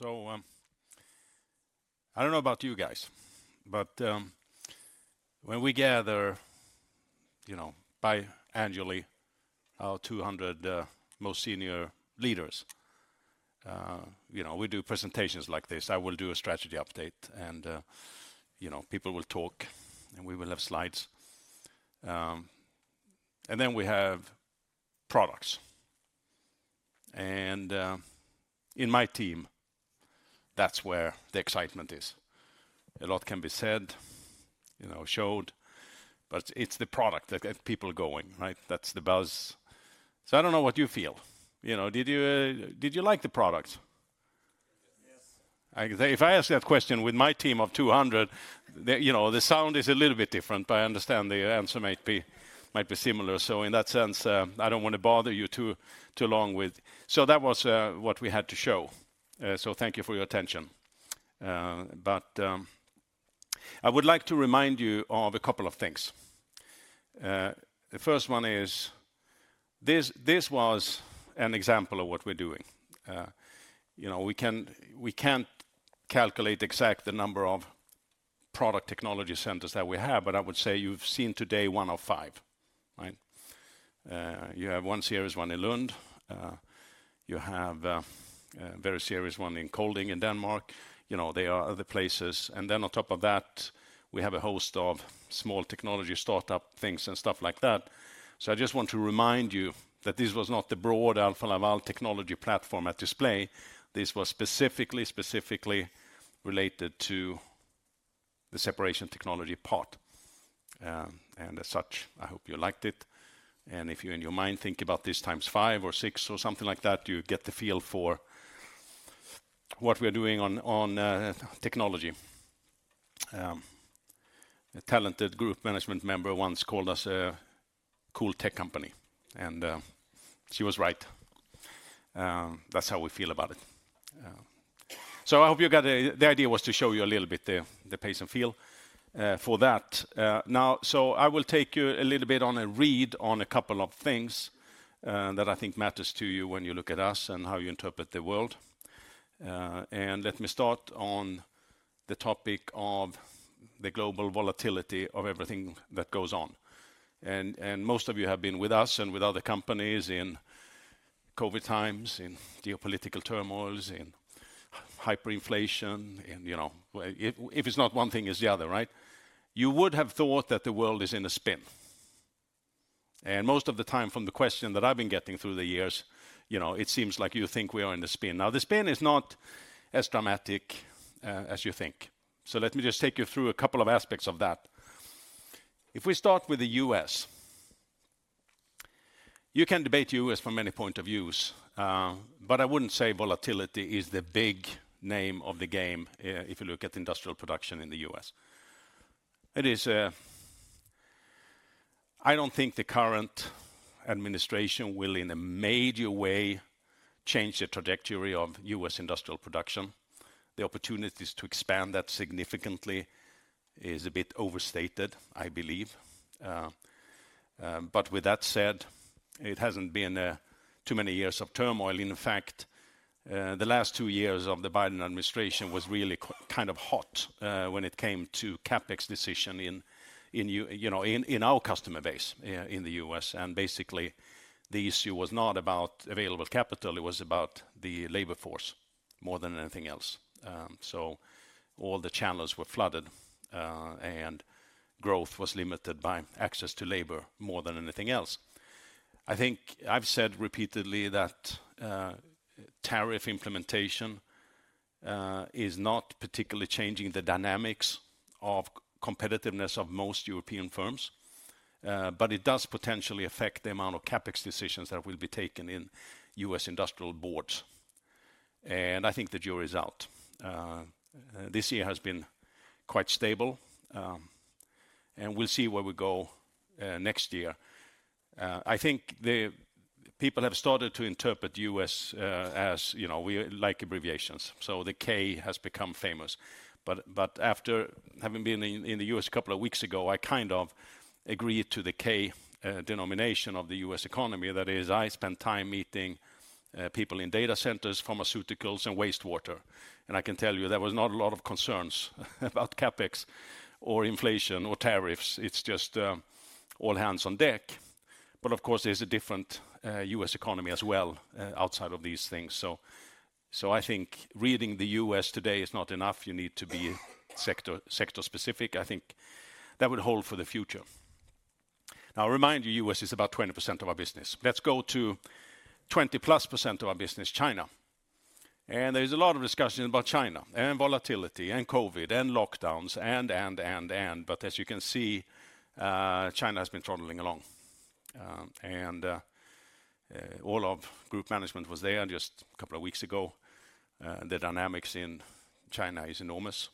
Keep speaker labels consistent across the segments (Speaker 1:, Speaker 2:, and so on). Speaker 1: I don't know about you guys, but when we gather, you know, biannually, our 200 most senior leaders, you know, we do presentations like this. I will do a strategy update, and, you know, people will talk, and we will have slides. Then we have products. In my team, that's where the excitement is. A lot can be said, you know, showed, but it's the product that gets people going, right? That's the buzz. I don't know what you feel. You know, did you, did you like the product? Yes. If I ask that question with my team of 200, you know, the sound is a little bit different, but I understand the answer might be, might be similar. In that sense, I don't want to bother you too long with. That was what we had to show, so thank you for your attention. I would like to remind you of a couple of things. The first one is this. This was an example of what we're doing. You know, we can't calculate exact the number of product technology centers that we have, but I would say you've seen today one of five, right? You have one serious one in Lund. You have a very serious one in Kolding in Denmark. You know, there are other places. On top of that, we have a host of small technology startup things and stuff like that. I just want to remind you that this was not the Alfa Laval technology platform at display. This was specifically, specifically related to the separation technology part. As such, I hope you liked it. If you in your mind think about this times five or six or something like that, you get the feel for what we're doing on technology. A talented group management member once called us a cool tech company, and she was right. That's how we feel about it. I hope you got the idea. The idea was to show you a little bit the pace and feel for that. Now, I will take you a little bit on a read on a couple of things that I think matters to you when you look at us and how you interpret the world. Let me start on the topic of the global volatility of everything that goes on. Most of you have been with us and with other companies in COVID times, in geopolitical turmoils, in hyperinflation, in, you know, if it's not one thing, it's the other, right? You would have thought that the world is in a spin. Most of the time from the question that I've been getting through the years, you know, it seems like you think we are in a spin. The spin is not as dramatic as you think. Let me just take you through a couple of aspects of that. If we start with the U.S., you can debate the U.S. from many points of view, but I wouldn't say volatility is the big name of the game, if you look at industrial production in the U.S. I don't think the current administration will in a major way change the trajectory of U.S. industrial production. The opportunities to expand that significantly is a bit overstated, I believe. With that said, it hasn't been too many years of turmoil. In fact, the last two years of the Biden administration was really kind of hot, when it came to CapEx decision in, you know, in our customer base, in the U.S. Basically, the issue was not about available capital. It was about the labor force more than anything else. All the channels were flooded, and growth was limited by access to labor more than anything else. I think I've said repeatedly that tariff implementation is not particularly changing the dynamics of competitiveness of most European firms, but it does potentially affect the amount of CapEx decisions that will be taken in U.S. industrial boards. I think the jury's out. This year has been quite stable. We'll see where we go next year. I think people have started to interpret U.S. as, you know, we like abbreviations. So the K has become famous. After having been in the U.S. a couple of weeks ago, I kind of agreed to the K denomination of the U.S. economy. That is, I spent time meeting people in data centers, pharmaceuticals, and wastewater. I can tell you there was not a lot of concerns about CapEx or inflation or tariffs. It's just all hands on deck. Of course, there's a different U.S. economy as well, outside of these things. I think reading the U.S. today is not enough. You need to be sector, sector specific. I think that would hold for the future. Now, I remind you, U.S. is about 20% of our business. Let's go to 20+% of our business, China. There's a lot of discussion about China and volatility and COVID and lockdowns and, and, and. As you can see, China has been throttling along. All of group management was there just a couple of weeks ago. The dynamics in China is enormous.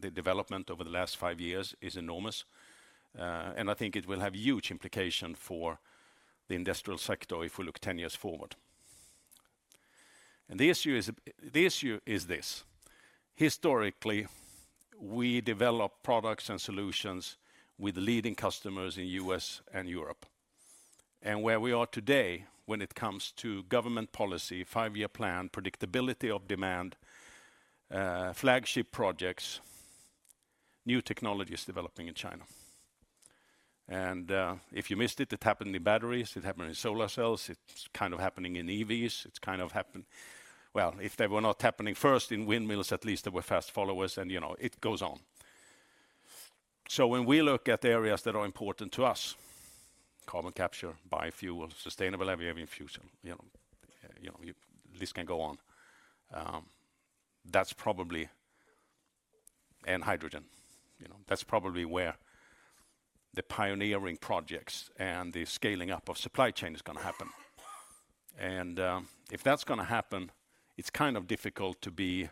Speaker 1: The development over the last five years is enormous. I think it will have huge implications for the industrial sector if we look 10 years forward. The issue is this. Historically, we develop products and solutions with leading customers in the U.S. and Europe. Where we are today when it comes to government policy, five-year plan, predictability of demand, flagship projects, new technologies developing in China. If you missed it, it happened in batteries. It happened in solar cells. It's kind of happening in EVs. It's kind of happened. If they were not happening first in windmills, at least there were fast followers. You know, it goes on. When we look at areas that are important to us, carbon capture, biofuel, sustainable aviation fusion, you know, you know, this can go on. That's probably, and hydrogen, you know, that's probably where the pioneering projects and the scaling up of supply chain is going to happen. If that's going to happen, it's kind of difficult to be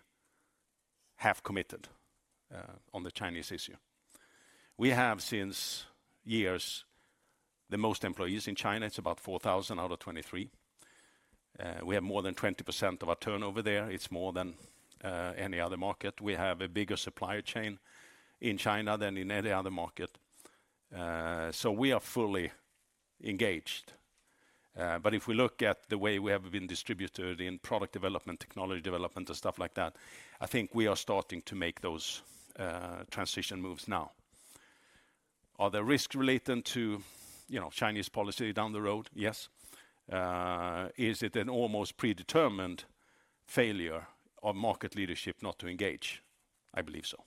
Speaker 1: half committed, on the Chinese issue. We have since years the most employees in China. It's about 4,000 out of 23,000. We have more than 20% of our turnover there. It's more than any other market. We have a bigger supply chain in China than in any other market. We are fully engaged. If we look at the way we have been distributed in product development, technology development, and stuff like that, I think we are starting to make those transition moves now. Are there risks relating to, you know, Chinese policy down the road? Yes. Is it an almost predetermined failure of market leadership not to engage? I believe so.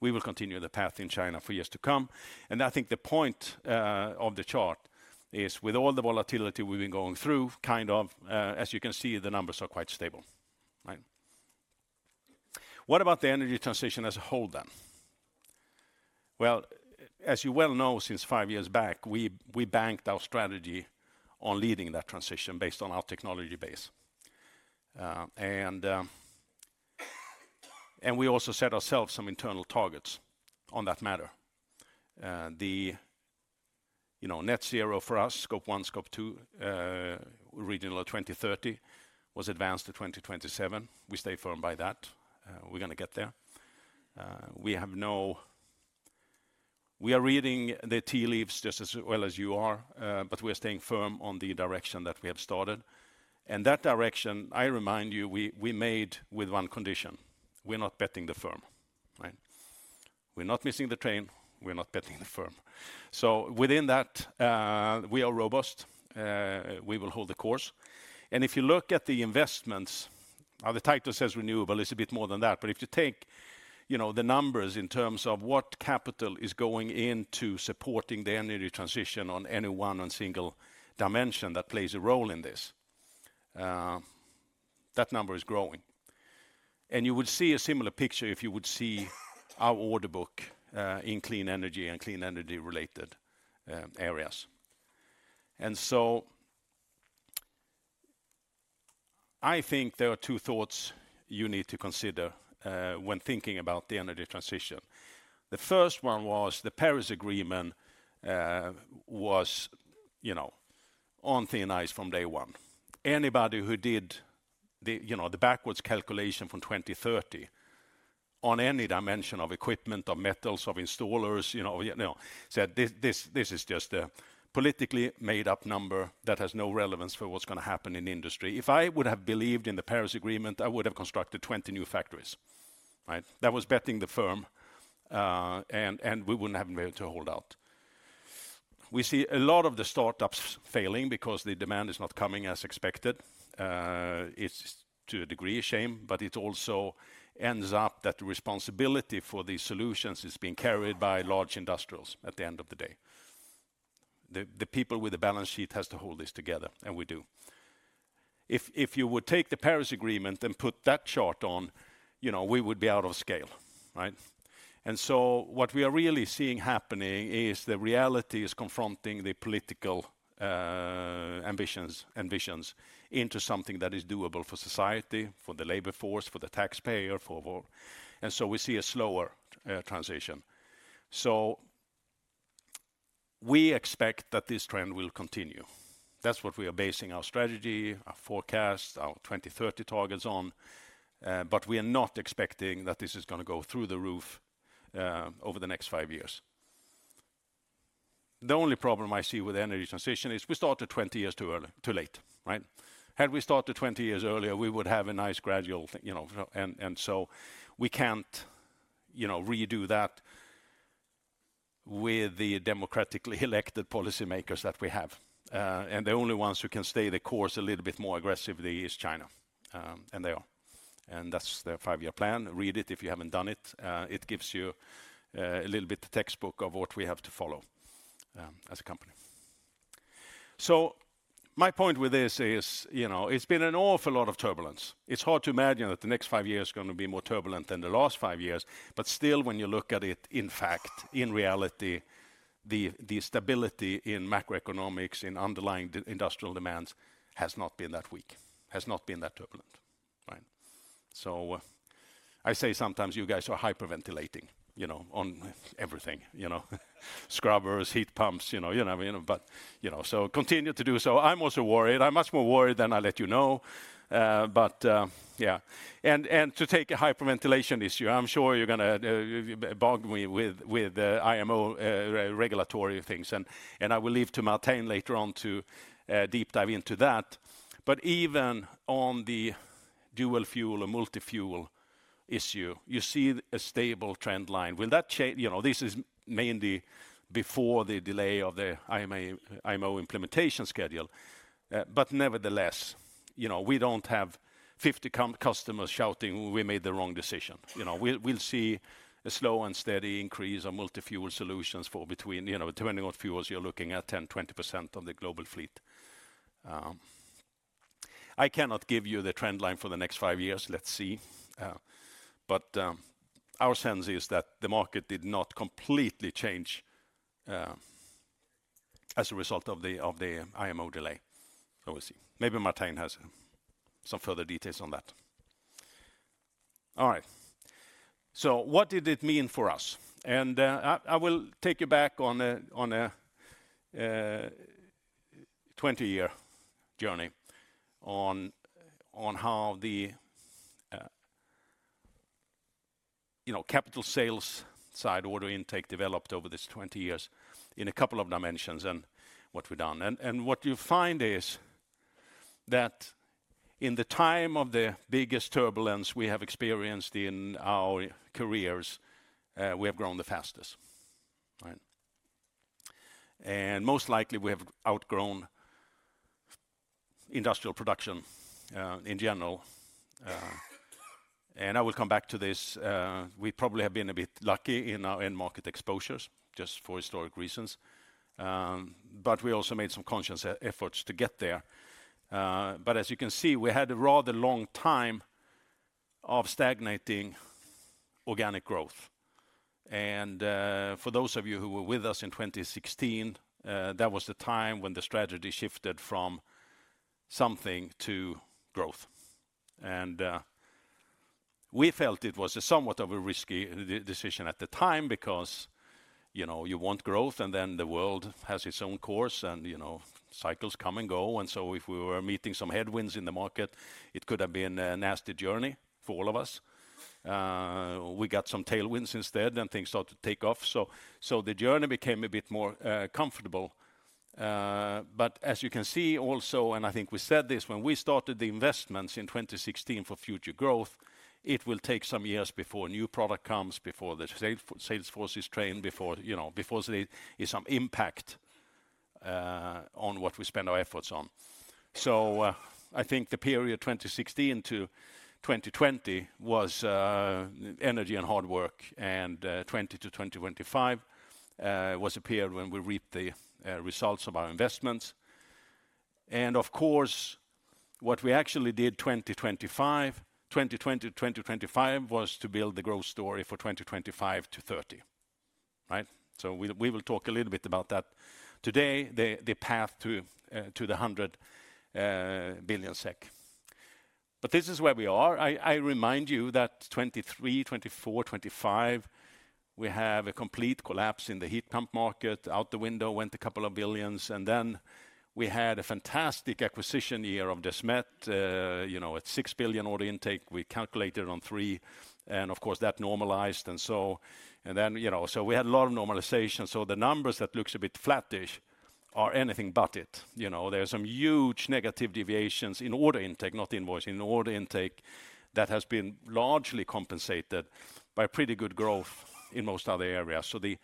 Speaker 1: We will continue the path in China for years to come. I think the point of the chart is with all the volatility we have been going through, as you can see, the numbers are quite stable, right? What about the energy transition as a whole then? As you well know, since five years back, we banked our strategy on leading that transition based on our technology base, and we also set ourselves some internal targets on that matter. You know, net zero for us, scope one, scope two, originally 2030 was advanced to 2027. We stay firm by that. We are going to get there. We have no—we are reading the tea leaves just as well as you are, but we are staying firm on the direction that we have started. That direction, I remind you, we made with one condition. We're not betting the firm, right? We're not missing the train. We're not betting the firm. Within that, we are robust. We will hold the course. If you look at the investments, the title says renewable is a bit more than that. If you take, you know, the numbers in terms of what capital is going into supporting the energy transition on any one single dimension that plays a role in this, that number is growing. You would see a similar picture if you would see our order book, in clean energy and clean energy related areas. I think there are two thoughts you need to consider when thinking about the energy transition. The first one was the Paris Agreement, was, you know, unthinized from day one. Anybody who did the, you know, the backwards calculation from 2030 on any dimension of equipment, of metals, of installers, you know, you know, said this, this, this is just a politically made-up number that has no relevance for what's going to happen in industry. If I would have believed in the Paris Agreement, I would have constructed 20 new factories, right? That was betting the firm, and we wouldn't have been able to hold out. We see a lot of the startups failing because the demand is not coming as expected. It's to a degree a shame, but it also ends up that the responsibility for these solutions is being carried by large industrials at the end of the day. The, the people with the balance sheet has to hold this together, and we do. If you would take the Paris Agreement and put that chart on, you know, we would be out of scale, right? What we are really seeing happening is the reality is confronting the political ambitions, ambitions into something that is doable for society, for the labor force, for the taxpayer, for, for. We see a slower transition. We expect that this trend will continue. That is what we are basing our strategy, our forecast, our 2030 targets on. We are not expecting that this is going to go through the roof over the next five years. The only problem I see with energy transition is we started 20 years too early, too late, right? Had we started 20 years earlier, we would have a nice gradual, you know, and, and so we can't, you know, redo that with the democratically elected policymakers that we have. The only ones who can stay the course a little bit more aggressively is China, and they are. That is their five-year plan. Read it if you haven't done it. It gives you a little bit of the textbook of what we have to follow, as a company. My point with this is, you know, it's been an awful lot of turbulence. It's hard to imagine that the next five years is going to be more turbulent than the last five years. Still, when you look at it, in fact, in reality, the stability in macroeconomics, in underlying industrial demands has not been that weak, has not been that turbulent, right? I say sometimes you guys are hyperventilating, you know, on everything, you know, scrubbers, heat pumps, you know, you know, you know, but, you know, continue to do so. I'm also worried. I'm much more worried than I let you know. Yeah. And to take a hyperventilation issue, I'm sure you're going to bog me with, with, IMO, regulatory things. I will leave to Martijn later on to deep dive into that. Even on the dual fuel or multi-fuel issue, you see a stable trend line. Will that change, you know, this is mainly before the delay of the IMO implementation schedule. Nevertheless, you know, we don't have 50 customers shouting, "We made the wrong decision." We'll see a slow and steady increase of multi-fuel solutions for between, you know, turning off fuels. You're looking at 10-20% of the global fleet. I cannot give you the trend line for the next five years. Let's see, but our sense is that the market did not completely change, as a result of the IMO delay. We'll see. Maybe Martijn has some further details on that. All right. What did it mean for us? I will take you back on a 20-year journey on how the, you know, capital sales side order intake developed over these 20 years in a couple of dimensions and what we've done. What you find is that in the time of the biggest turbulence we have experienced in our careers, we have grown the fastest, right? Most likely we have outgrown industrial production, in general. I will come back to this. We probably have been a bit lucky in our end market exposures just for historic reasons. But we also made some conscious efforts to get there. As you can see, we had a rather long time of stagnating organic growth. For those of you who were with us in 2016, that was the time when the strategy shifted from something to growth. We felt it was somewhat of a risky decision at the time because, you know, you want growth and then the world has its own course and, you know, cycles come and go. If we were meeting some headwinds in the market, it could have been a nasty journey for all of us. We got some tailwinds instead and things started to take off, so the journey became a bit more comfortable. But as you can see also, and I think we said this when we started the investments in 2016 for future growth, it will take some years before new product comes, before the sales forces train, before, you know, before there is some impact on what we spend our efforts on. I think the period 2016 to 2020 was energy and hard work. 2020 to 2025 was a period when we reaped the results of our investments. Of course, what we actually did 2020 to 2025 was to build the growth story for 2025 to 2030, right? We will talk a little bit about that today, the path to the 100 billion SEK. This is where we are. I remind you that 2023, 2024, 2025, we have a complete collapse in the heat pump market. Out the window went a couple of billions, and then we had a fantastic acquisition year of Desmet, you know, at 6 billion order intake. We calculated on three, and of course that normalized. You know, we had a lot of normalization. The numbers that look a bit flattish are anything but it. You know, there are some huge negative deviations in order intake, not invoicing, in order intake that has been largely compensated by pretty good growth in most other areas. The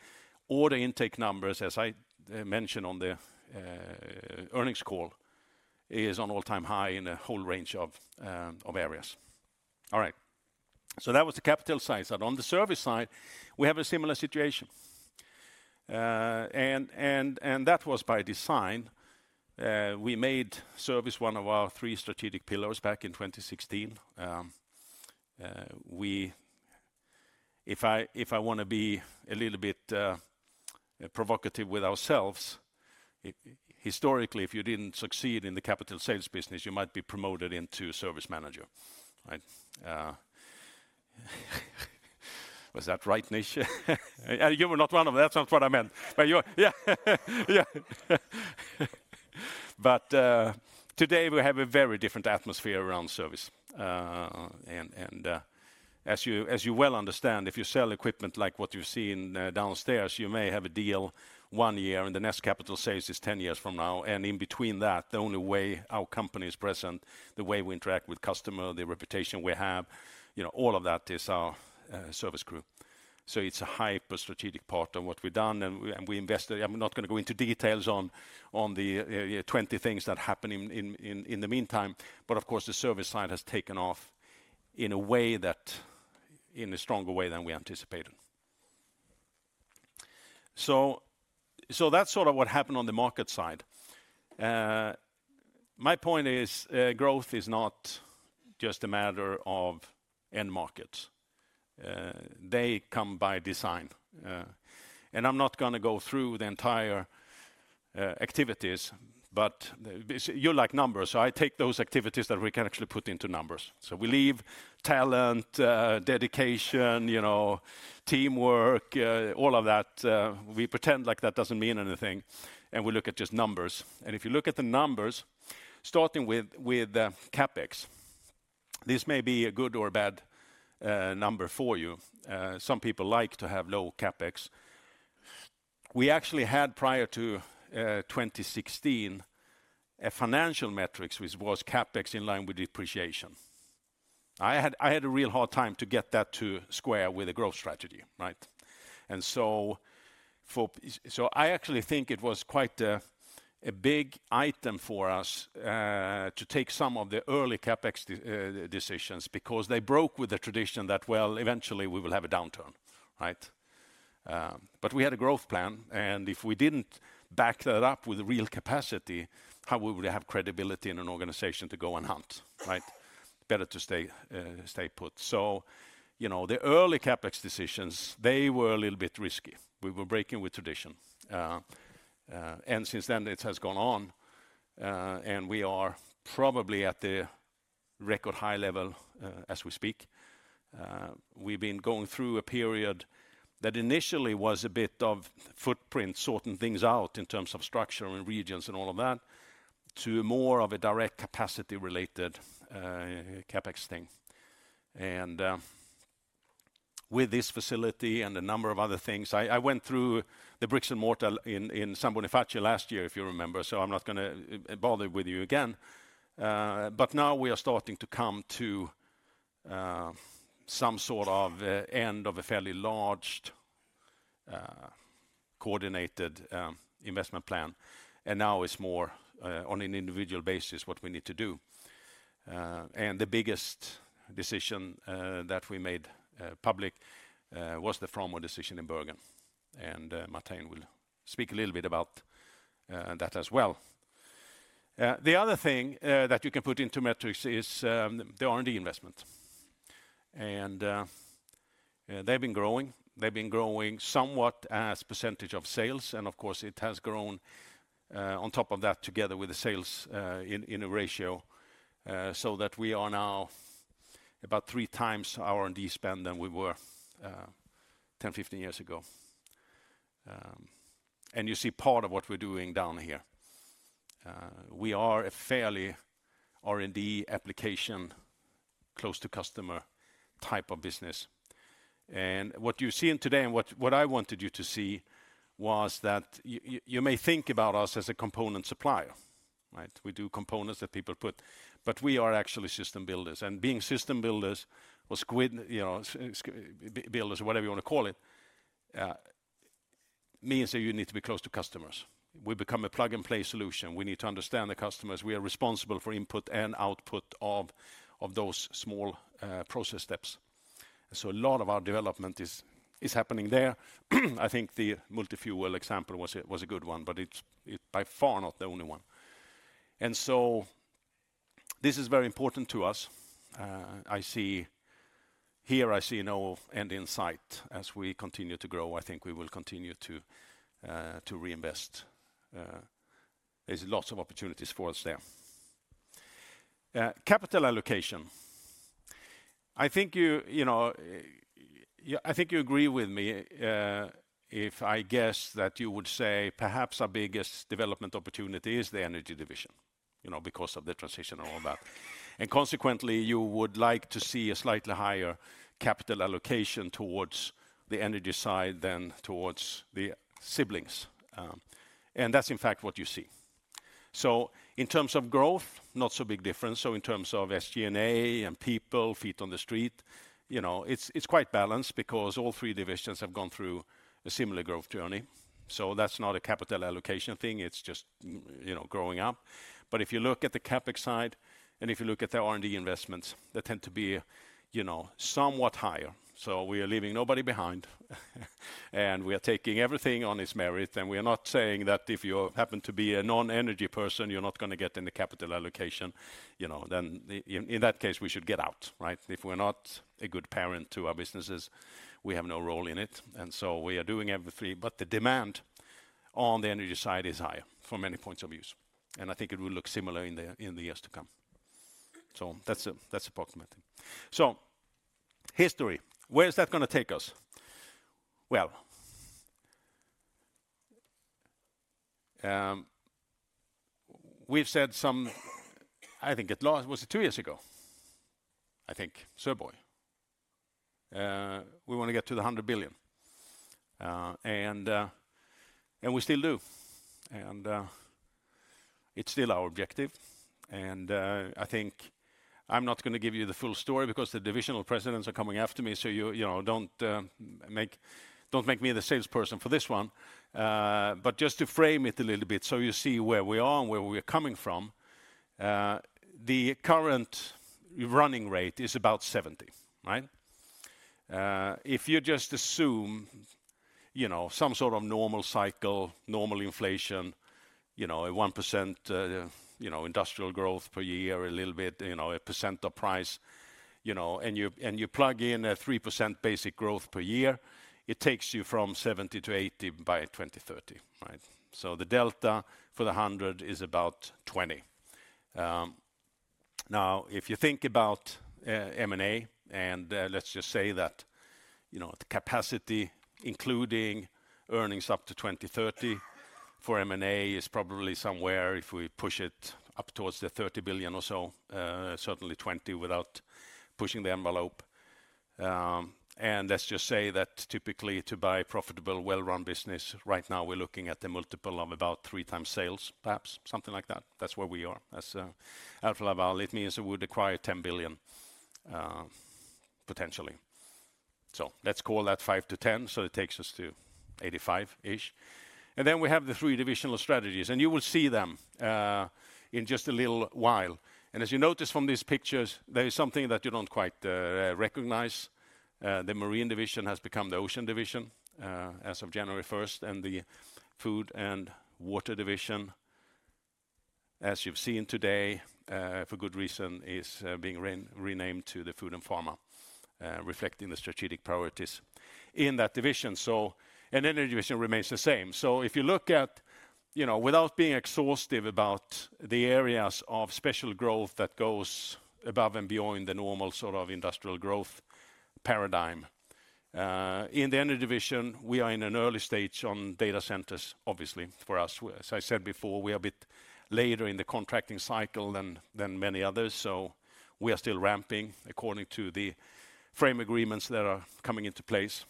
Speaker 1: order intake numbers, as I mentioned on the earnings call, are at all-time high in a whole range of areas. All right. That was the capital science. On the service side, we have a similar situation. And that was by design. We made service one of our three strategic pillars back in 2016. If I want to be a little bit provocative with ourselves, historically, if you did not succeed in the capital sales business, you might be promoted into service manager, right? Was that right, [Nish?] And you were not one of them. That is not what I meant. But you were, yeah, yeah. Today we have a very different atmosphere around service. As you well understand, if you sell equipment like what you have seen downstairs, you may have a deal one year and the next capital sales is 10 years from now. In between that, the only way our company is present, the way we interact with customer, the reputation we have, all of that is our service group. It's a hyper-strategic part of what we've done. We invested. I'm not going to go into details on the 20 things that happen in the meantime. Of course, the service side has taken off in a stronger way than we anticipated. That's sort of what happened on the market side. My point is, growth is not just a matter of end markets. They come by design. I'm not going to go through the entire activities, but you like numbers. I take those activities that we can actually put into numbers. We leave talent, dedication, you know, teamwork, all of that. We pretend like that doesn't mean anything. And we look at just numbers. If you look at the numbers starting with CapEx, this may be a good or bad number for you. Some people like to have low CapEx. We actually had prior to 2016 a financial metrics which was CapEx in line with depreciation. I had a real hard time to get that to square with a growth strategy, right? For, so I actually think it was quite a big item for us to take some of the early CapEx decisions because they broke with the tradition that, well, eventually we will have a downturn, right? We had a growth plan. If we did not back that up with real capacity, how would we have credibility in an organization to go and hunt, right? Better to stay, stay put. You know, the early CapEx decisions, they were a little bit risky. We were breaking with tradition, and since then it has gone on, and we are probably at the record high level, as we speak. We have been going through a period that initially was a bit of footprint, sorting things out in terms of structure and regions and all of that to more of a direct capacity-related, CapEx thing. With this facility and a number of other things, I went through the bricks and mortar in San Bonifacio last year, if you remember. I am not going to bother with you again. Now we are starting to come to some sort of end of a fairly large, coordinated, investment plan. Now it is more, on an individual basis what we need to do. The biggest decision that we made public was the Framo decision in Bergen. Martijn will speak a little bit about that as well. The other thing that you can put into metrics is the R&D investment. They've been growing. They've been growing somewhat as percentage of sales. Of course, it has grown on top of that together with the sales, in a ratio, so that we are now about three times our R&D spend than we were 10, 15 years ago. You see part of what we're doing down here. We are a fairly R&D application close to customer type of business. What you're seeing today and what I wanted you to see was that you may think about us as a component supplier, right? We do components that people put, but we are actually system builders. Being system builders or [squid], you know, builders or whatever you want to call it, means that you need to be close to customers. We become a plug and play solution. We need to understand the customers. We are responsible for input and output of those small process steps. A lot of our development is happening there. I think the multi-fuel example was a good one, but it's by far not the only one. This is very important to us. I see here, I see no end in sight as we continue to grow. I think we will continue to reinvest. There's lots of opportunities for us there. Capital allocation. I think you, you know, I think you agree with me, if I guess that you would say perhaps our biggest development opportunity is the Energy Division, you know, because of the transition and all that. Consequently, you would like to see a slightly higher capital allocation towards the energy side than towards the siblings. That is in fact what you see. In terms of growth, not so big difference. In terms of SG&A and people feet on the street, you know, it is quite balanced because all three divisions have gone through a similar growth journey. That is not a capital allocation thing. It is just, you know, growing up. If you look at the CapEx side and if you look at the R&D investments, that tend to be, you know, somewhat higher. We are leaving nobody behind and we are taking everything on its merit. We are not saying that if you happen to be a non-energy person, you're not going to get in the capital allocation, you know, then in that case, we should get out, right? If we're not a good parent to our businesses, we have no role in it. We are doing everything. The demand on the energy side is higher from many points of view. I think it will look similar in the years to come. That is a problem. History, where is that going to take us? We have said some, I think it was two years ago, I think, Søborg, we want to get to the 100 billion, and we still do. It is still our objective. I think I'm not going to give you the full story because the divisional presidents are coming after me. You know, don't make me the salesperson for this one. Just to frame it a little bit so you see where we are and where we are coming from. The current running rate is about 70, right? If you just assume, you know, some sort of normal cycle, normal inflation, you know, a 1% industrial growth per year, a little bit, you know, a percent of price, you know, and you plug in a 3% basic growth per year, it takes you from 70 to 80 by 2030, right? The delta for the 100 is about 20. Now if you think about M&A and, let's just say that, you know, the capacity including earnings up to 2030 for M&A is probably somewhere if we push it up towards 30 billion or so, certainly 20 billion without pushing the envelope. Let's just say that typically to buy a profitable, well-run business right now, we're looking at the multiple of about three times sales, perhaps something like that. That's where we are Alfa Laval. It means it would acquire 10 billion, potentially. Let's call that five to ten. It takes us to 85 billion-ish. We have the three divisional strategies and you will see them in just a little while. As you notice from these pictures, there is something that you don't quite recognize. The Marine Division has become the Ocean Division as of January 1. The Food and Water Division, as you've seen today, for good reason is being renamed to the Food and Pharma, reflecting the strategic priorities in that division. An energy division remains the same. If you look at, you know, without being exhaustive about the areas of special growth that goes above and beyond the normal sort of industrial growth paradigm, in the energy division, we are in an early stage on data centers, obviously for us. As I said before, we are a bit later in the contracting cycle than many others. We are still ramping according to the frame agreements that are coming into place.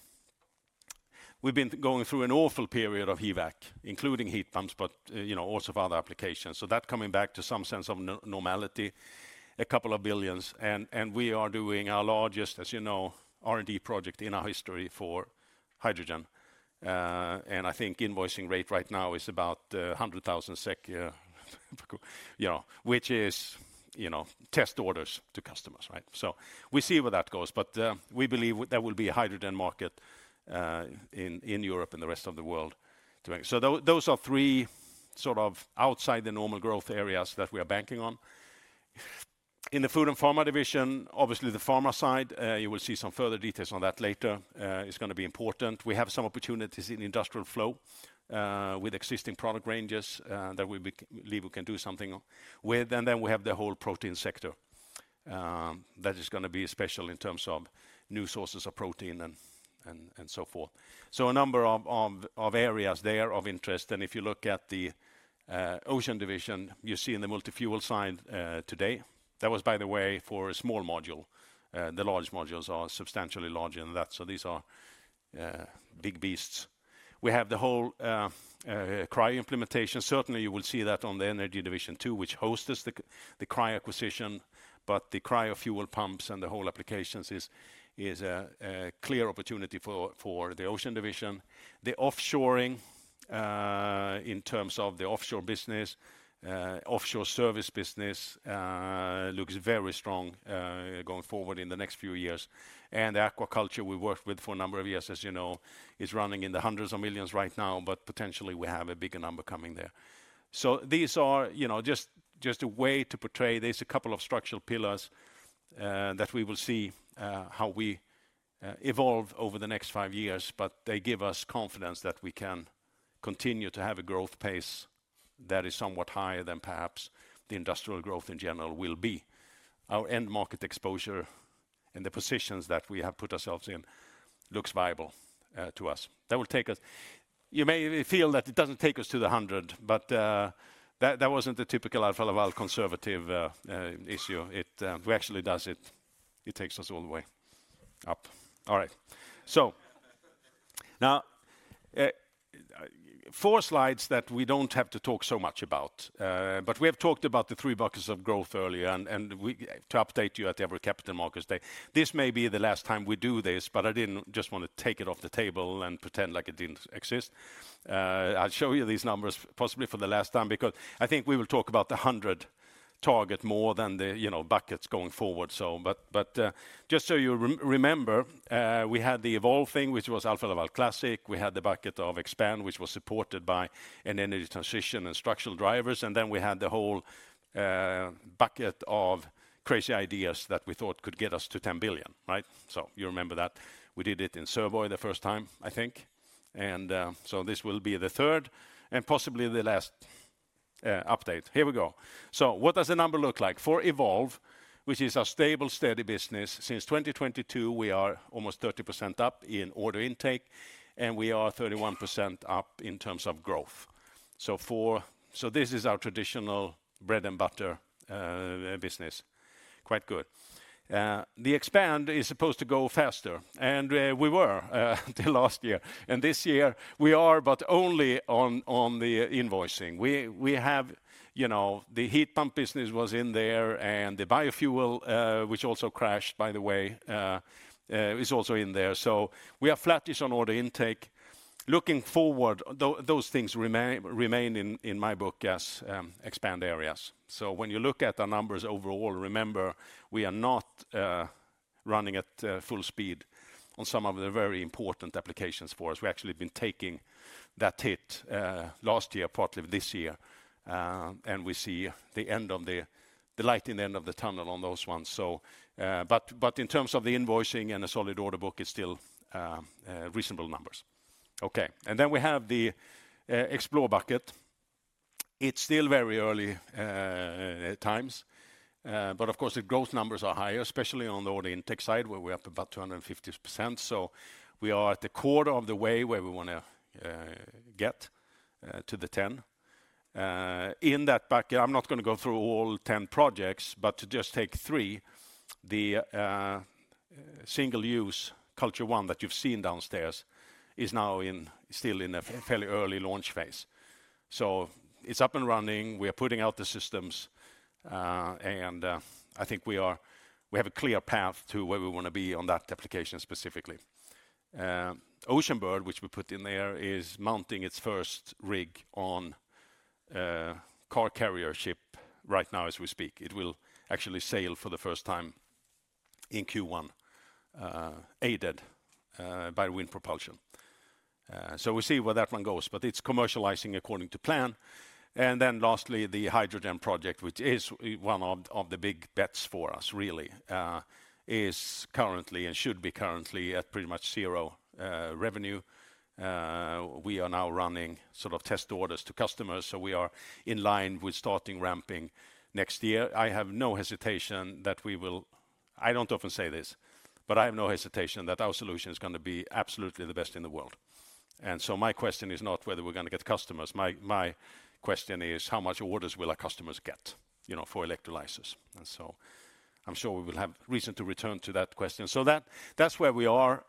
Speaker 1: We've been going through an awful period of EVAC, including heat pumps, but, you know, also for other applications. That coming back to some sense of normality, a couple of billions. We are doing our largest, as you know, R&D project in our history for hydrogen. I think invoicing rate right now is about 100,000 SEK, you know, which is, you know, test orders to customers, right? We see where that goes. We believe there will be a hydrogen market in Europe and the rest of the world to make. Those are three sort of outside the normal growth areas that we are banking on in the Food & Pharma Division. Obviously, the pharma side, you will see some further details on that later. It's going to be important. We have some opportunities in industrial flow, with existing product ranges, that we believe we can do something with. We have the whole protein sector, that is going to be special in terms of new sources of protein and, and so forth. A number of areas there of interest. If you look at the Ocean Division, you see in the multi-fuel side, today, that was by the way for a small module. The large modules are substantially larger than that. These are big beasts. We have the whole cry implementation. Certainly you will see that on the energy division too, which hosts the cry acquisition, but the cryofuel pumps and the whole applications is a clear opportunity for the Ocean Division. The offshoring, in terms of the offshore business, offshore service business, looks very strong, going forward in the next few years. The aquaculture we worked with for a number of years, as you know, is running in the hundreds of millions right now, but potentially we have a bigger number coming there. These are, you know, just a way to portray there's a couple of structural pillars that we will see, how we evolve over the next five years, but they give us confidence that we can continue to have a growth pace that is somewhat higher than perhaps the industrial growth in general will be. Our end market exposure and the positions that we have put ourselves in looks viable to us. That will take us, you may feel that it doesn't take us to the 100 billion, but that wasn't the Alfa Laval conservative issue. It actually does, it takes us all the way up. All right. Now, four slides that we do not have to talk so much about, but we have talked about the three buckets of growth earlier and we update you at every Capital Markets Day. This may be the last time we do this, but I did not just want to take it off the table and pretend like it did not exist. I will show you these numbers possibly for the last time because I think we will talk about the 100 target more than the, you know, buckets going forward. Just so you remember, we had the evolving, which Alfa Laval classic. We had the bucket of expand, which was supported by an energy transition and structural drivers. Then we had the whole bucket of crazy ideas that we thought could get us to 10 billion, right? You remember that we did it in Søborg the first time, I think. This will be the third and possibly the last update. Here we go. What does the number look like for evolve, which is a stable, steady business? Since 2022, we are almost 30% up in order intake and we are 31% up in terms of growth. This is our traditional bread and butter business. Quite good. The expand is supposed to go faster and we were the last year and this year we are, but only on the invoicing. We have, you know, the heat pump business was in there and the biofuel, which also crashed, by the way, is also in there. We are flattish on order intake. Looking forward, those things remain in my book as expand areas. When you look at our numbers overall, remember we are not running at full speed on some of the very important applications for us. We actually have been taking that hit last year, partly this year. We see the light in the end of the tunnel on those ones. In terms of the invoicing and the solid order book, it's still reasonable numbers. Okay. We have the explore bucket. It's still very early times, but of course the growth numbers are higher, especially on the order intake side where we're up about 250%. We are at the quarter of the way where we want to get to the 10. In that bucket, I'm not going to go through all 10 projects, but to just take three, the single use culture one that you've seen downstairs is now in, still in a fairly early launch phase. It is up and running. We are putting out the systems, and I think we are, we have a clear path to where we want to be on that application specifically. Oceanbird, which we put in there, is mounting its first rig on a car carrier ship right now as we speak. It will actually sail for the first time in Q1, aided by wind propulsion. We will see where that one goes, but it is commercializing according to plan. Then lastly, the hydrogen project, which is one of the big bets for us really, is currently and should be currently at pretty much zero revenue. We are now running sort of test orders to customers. We are in line with starting ramping next year. I have no hesitation that we will, I do not often say this, but I have no hesitation that our solution is going to be absolutely the best in the world. My question is not whether we are going to get customers. My question is how much orders will our customers get, you know, for electrolyzers. I am sure we will have reason to return to that question. That is where we are.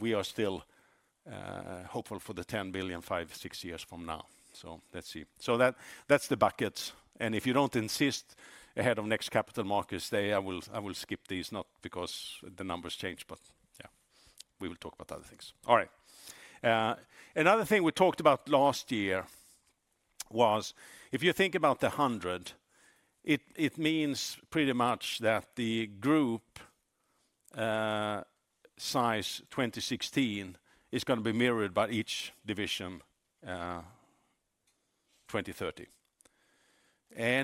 Speaker 1: We are still hopeful for the 10 billion, five-six years from now. Let's see. That is the buckets. If you do not insist ahead of next Capital Markets Day, I will skip these, not because the numbers change, but yeah, we will talk about other things. All right. Another thing we talked about last year was if you think about the 100, it means pretty much that the group size 2016 is going to be mirrored by each division, 2030.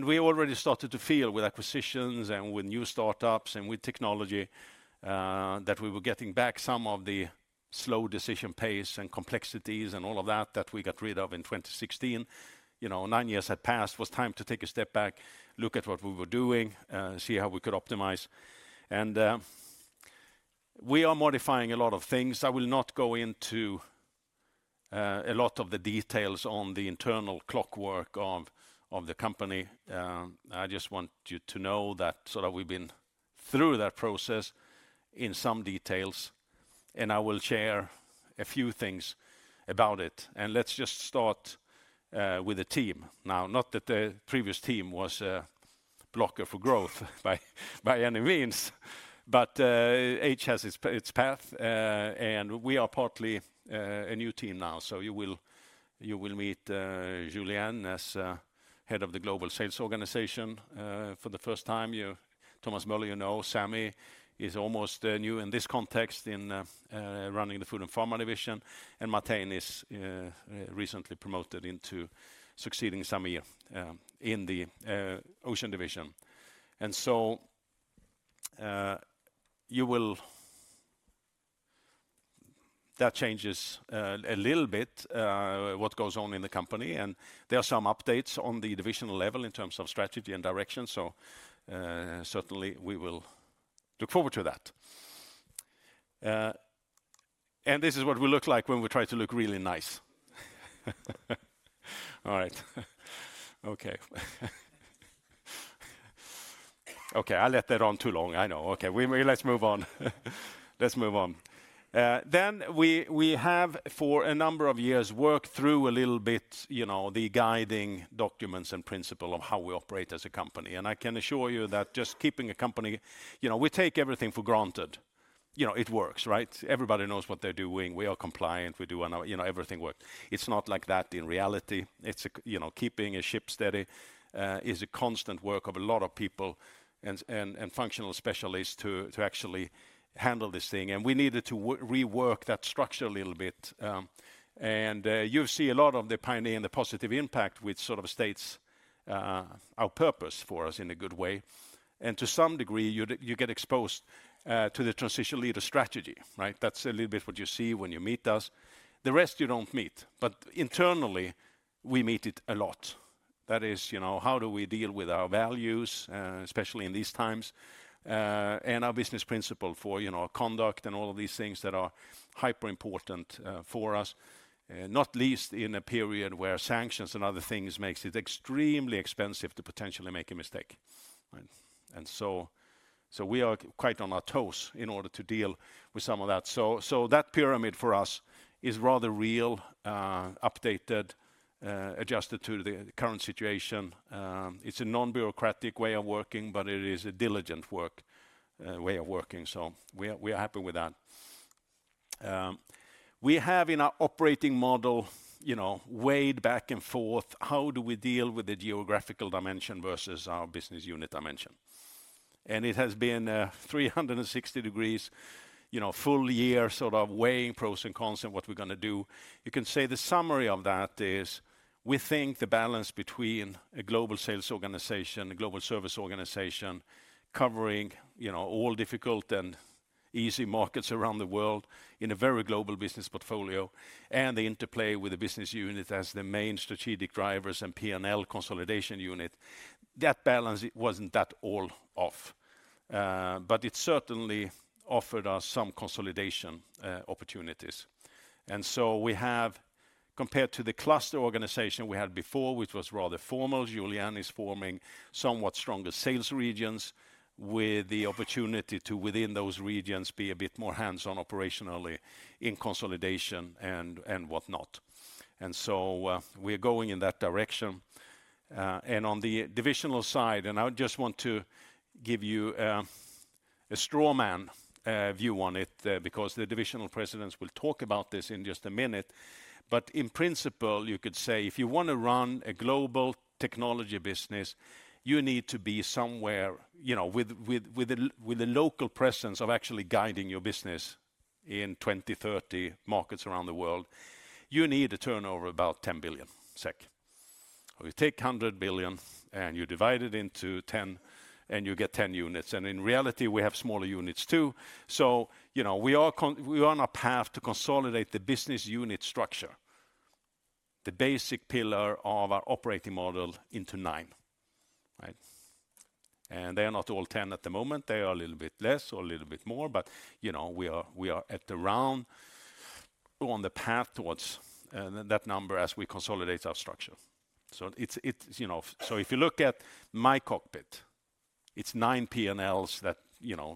Speaker 1: We already started to feel with acquisitions and with new startups and with technology that we were getting back some of the slow decision pace and complexities and all of that that we got rid of in 2016. You know, nine years had passed, was time to take a step back, look at what we were doing, see how we could optimize. We are modifying a lot of things. I will not go into a lot of the details on the internal clockwork of the company. I just want you to know that sort of we've been through that process in some details and I will share a few things about it. Let's just start with the team now. Not that the previous team was a blocker for growth by any means, but each has its path. We are partly a new team now. You will meet Julien as Head of the Global Sales Organization for the first time. You, Thomas Møller, you know, Sammy is almost new in this context in running the Food & Pharma Division, and Martijn is recently promoted into succeeding Sammy in the Ocean Division. That changes a little bit what goes on in the company. There are some updates on the divisional level in terms of strategy and direction. Certainly we will look forward to that. This is what we look like when we try to look really nice. All right. Okay. Okay. I let that on too long. I know. Okay. Let's move on. Let's move on. We have for a number of years worked through a little bit, you know, the guiding documents and principle of how we operate as a company. I can assure you that just keeping a company, you know, we take everything for granted, you know, it works, right? Everybody knows what they're doing. We are compliant. We do an, you know, everything works. It's not like that in reality. It's a, you know, keeping a ship steady is a constant work of a lot of people and functional specialists to actually handle this thing. We needed to rework that structure a little bit. You see a lot of the pioneer and the positive impact which sort of states our purpose for us in a good way. To some degree, you get exposed to the transition leader strategy, right? That's a little bit what you see when you meet us. The rest you don't meet, but internally we meet it a lot. That is, you know, how do we deal with our values, especially in these times, and our business principle for, you know, our conduct and all of these things that are hyper important for us, not least in a period where sanctions and other things make it extremely expensive to potentially make a mistake. Right. We are quite on our toes in order to deal with some of that. That pyramid for us is rather real, updated, adjusted to the current situation. It's a non-bureaucratic way of working, but it is a diligent way of working. We are happy with that. We have in our operating model, you know, weighed back and forth, how do we deal with the geographical dimension versus our business unit dimension? It has been a 360 degrees, you know, full year sort of weighing pros and cons and what we're going to do. You can say the summary of that is we think the balance between a global sales organization, a global service organization covering, you know, all difficult and easy markets around the world in a very global business portfolio and the interplay with the business unit as the main strategic drivers and P&L consolidation unit, that balance was not that all off. It certainly offered us some consolidation opportunities. We have compared to the cluster organization we had before, which was rather formal, Julien is forming somewhat stronger sales regions with the opportunity to, within those regions, be a bit more hands-on operationally in consolidation and whatnot. We are going in that direction. On the divisional side, I just want to give you a straw man view on it, because the divisional presidents will talk about this in just a minute. In principle, you could say if you want to run a global technology business, you need to be somewhere, you know, with a local presence of actually guiding your business in 2030 markets around the world, you need a turnover of about 10 billion SEK. We take 100 billion and you divide it into 10 and you get 10 units. In reality, we have smaller units too. You know, we are on a path to consolidate the business unit structure, the basic pillar of our operating model, into nine, right? They are not all 10 at the moment. They are a little bit less or a little bit more, but you know, we are at the round on the path towards that number as we consolidate our structure. If you look at my cockpit, it is nine P&Ls that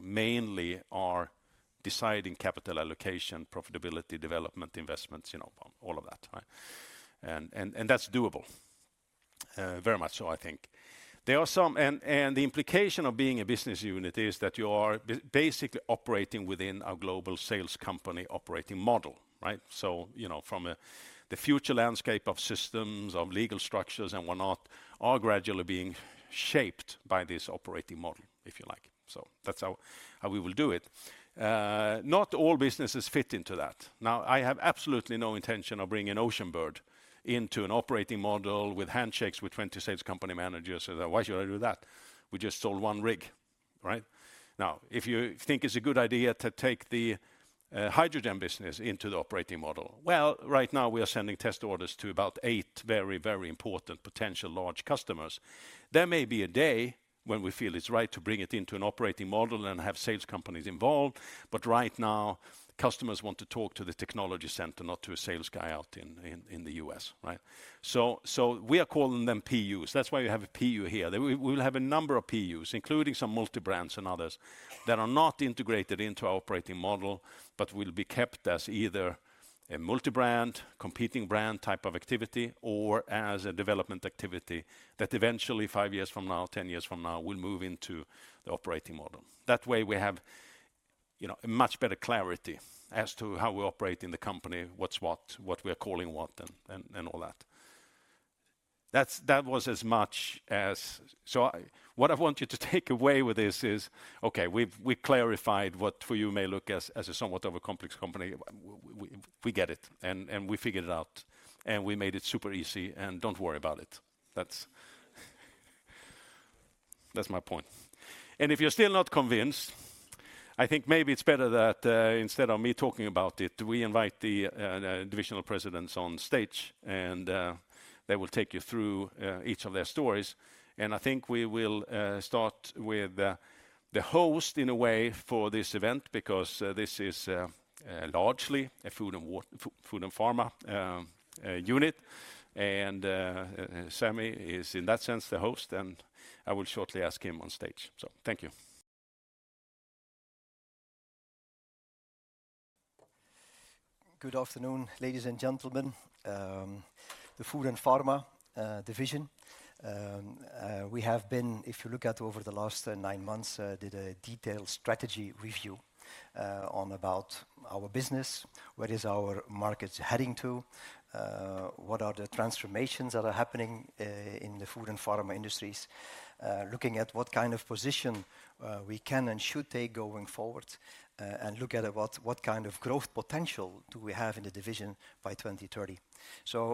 Speaker 1: mainly are deciding capital allocation, profitability, development, investments, all of that, right? That is doable, very much. I think there are some, and the implication of being a business unit is that you are basically operating within our global sales company operating model, right? You know, from the future landscape of systems, of legal structures and whatnot, are gradually being shaped by this operating model, if you like. That is how we will do it. Not all businesses fit into that. I have absolutely no intention of bringing an Oceanbird into an operating model with handshakes with 20 sales company managers. Why should I do that? We just sold one rig, right? If you think it is a good idea to take the hydrogen business into the operating model, right now we are sending test orders to about eight very, very important potential large customers. There may be a day when we feel it is right to bring it into an operating model and have sales companies involved. Right now, customers want to talk to the technology center, not to a sales guy out in the U.S., right? We are calling them PUs. That is why you have a PU here. We will have a number of PUs, including some multi-brands and others that are not integrated into our operating model, but will be kept as either a multi-brand, competing brand type of activity, or as a development activity that eventually, five years from now, 10 years from now, will move into the operating model. That way we have, you know, a much better clarity as to how we operate in the company, what is what, what we are calling what, and all that. That was as much as, so what I want you to take away with this is, okay, we clarified what for you may look as a somewhat overcomplexed company. We get it and we figured it out and we made it super easy and do not worry about it. That is my point. If you are still not convinced, I think maybe it is better that, instead of me talking about it, we invite the divisional presidents on stage and they will take you through each of their stories. I think we will start with the host in a way for this event because this is largely a food and water, Food and Pharma Unit. Sammy is in that sense the host and I will shortly ask him on stage. Thank you.
Speaker 2: Good afternoon, ladies and gentlemen. The Food & Pharma Division, we have been, if you look at over the last nine months, did a detailed strategy review on about our business, where is our markets heading to, what are the transformations that are happening in the food and pharma industries, looking at what kind of position we can and should take going forward, and look at what, what kind of growth potential do we have in the division by 2030.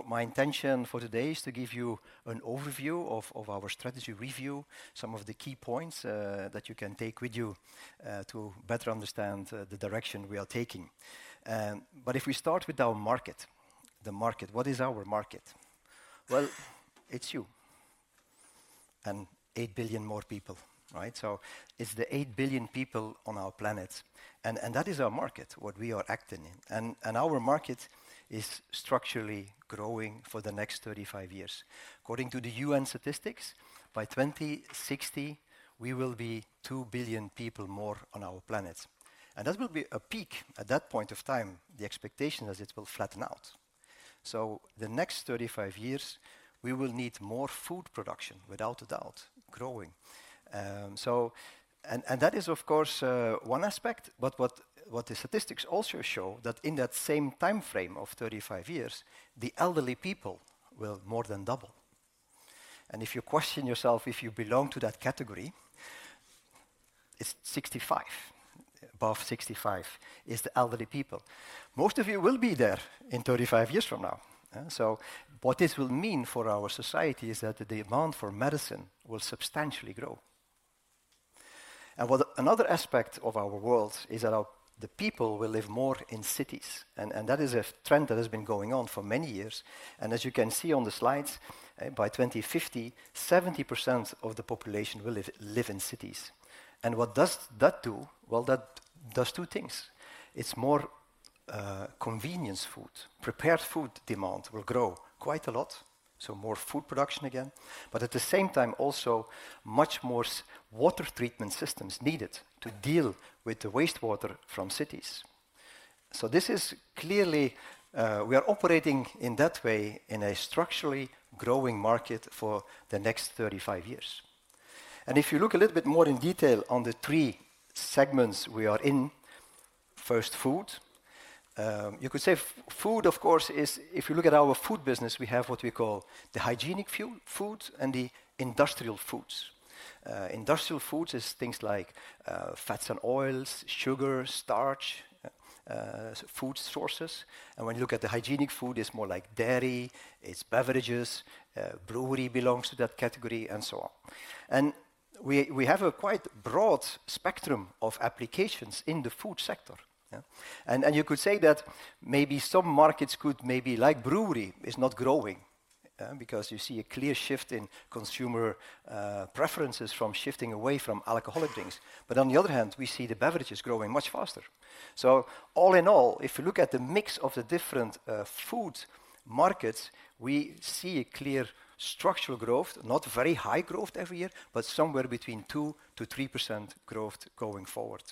Speaker 2: My intention for today is to give you an overview of our strategy review, some of the key points that you can take with you to better understand the direction we are taking. If we start with our market, the market, what is our market? It's you and 8 billion more people, right? It's the 8 billion people on our planet. That is our market, what we are acting in. Our market is structurally growing for the next 35 years. According to the UN statistics, by 2060, we will be 2 billion people more on our planet. That will be a peak at that point of time, the expectation is it will flatten out. The next 35 years, we will need more food production, without a doubt, growing. That is of course one aspect, but what the statistics also show is that in that same timeframe of 35 years, the elderly people will more than double. If you question yourself if you belong to that category, it is 65, above 65 is the elderly people. Most of you will be there in 35 years from now. What this will mean for our society is that the demand for medicine will substantially grow. Another aspect of our world is that people will live more in cities, and that is a trend that has been going on for many years. As you can see on the slides, by 2050, 70% of the population will live in cities. What does that do? That does two things. It is more convenience food, prepared food demand will grow quite a lot, so more food production again, but at the same time also much more water treatment systems needed to deal with the wastewater from cities. This is clearly, we are operating in that way in a structurally growing market for the next 35 years. If you look a little bit more in detail on the three segments we are in, first food, you could say food, of course, is if you look at our food business, we have what we call the hygienic food and the industrial foods. Industrial foods is things like fats and oils, sugar, starch, food sources. When you look at the hygienic food, it is more like dairy, it is beverages, brewery belongs to that category and so on. We have a quite broad spectrum of applications in the food sector. You could say that maybe some markets could maybe like brewery is not growing, because you see a clear shift in consumer preferences from shifting away from alcoholic drinks. On the other hand, we see the beverages growing much faster. All in all, if you look at the mix of the different food markets, we see a clear structural growth, not very high growth every year, but somewhere between 2-3% growth going forward.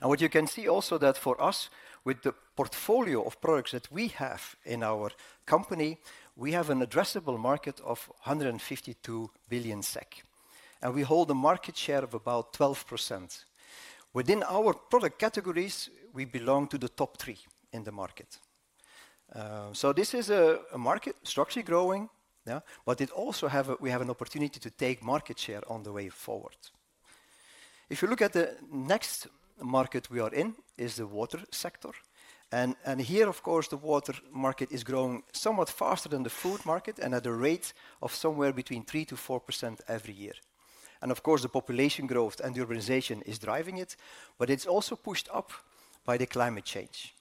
Speaker 2: What you can see also is that for us, with the portfolio of products that we have in our company, we have an addressable market of 152 billion SEK and we hold a market share of about 12%. Within our product categories, we belong to the top three in the market. This is a market structurally growing, yeah, but it also has, we have an opportunity to take market share on the way forward. If you look at the next market we are in, it is the water sector. Here, of course, the water market is growing somewhat faster than the food market and at a rate of somewhere between 3-4% every year. Of course, the population growth and the urbanization is driving it, but it is also pushed up by the climate change.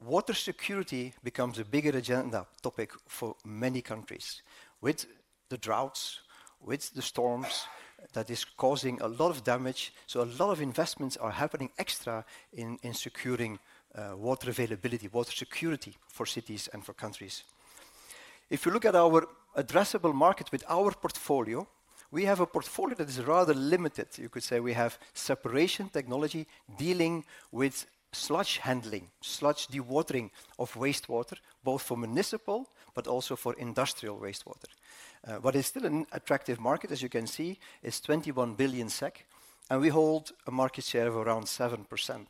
Speaker 2: Water security becomes a bigger agenda topic for many countries with the droughts, with the storms that is causing a lot of damage. A lot of investments are happening extra in securing water availability, water security for cities and for countries. If you look at our addressable market with our portfolio, we have a portfolio that is rather limited. You could say we have separation technology dealing with sludge handling, sludge dewatering of wastewater, both for municipal, but also for industrial wastewater. What is still an attractive market, as you can see, is 21 billion SEK and we hold a market share of around 7%.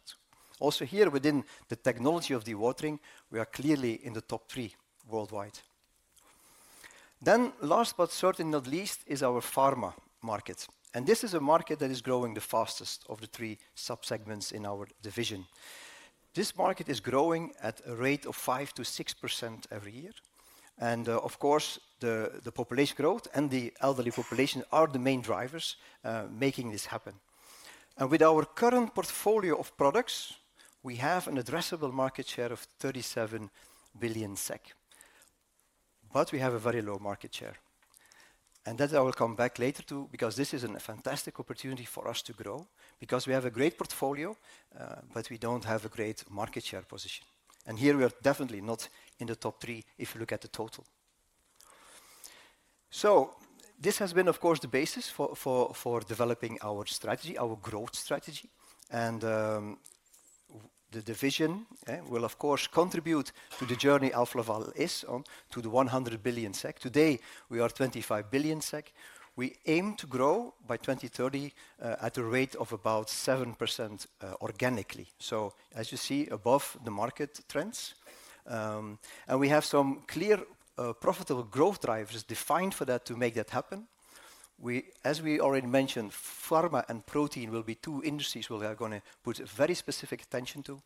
Speaker 2: Also here within the technology of dewatering, we are clearly in the top three worldwide. Last, but certainly not least, is our pharma market. This is a market that is growing the fastest of the three subsegments in our division. This market is growing at a rate of 5-6% every year. Of course, the population growth and the elderly population are the main drivers, making this happen. With our current portfolio of products, we have an addressable market share of 37 billion SEK, but we have a very low market share. That I will come back later to because this is a fantastic opportunity for us to grow because we have a great portfolio, but we do not have a great market share position. Here we are definitely not in the top three if you look at the total. This has been, of course, the basis for developing our strategy, our growth strategy. The division will, of course, contribute to the Alfa Laval is on to the 100 billion SEK. Today we are 25 billion SEK. We aim to grow by 2030, at a rate of about 7% organically. As you see above the market trends, we have some clear, profitable growth drivers defined for that to make that happen. As we already mentioned, pharma and protein will be two industries we are going to put very specific attention to.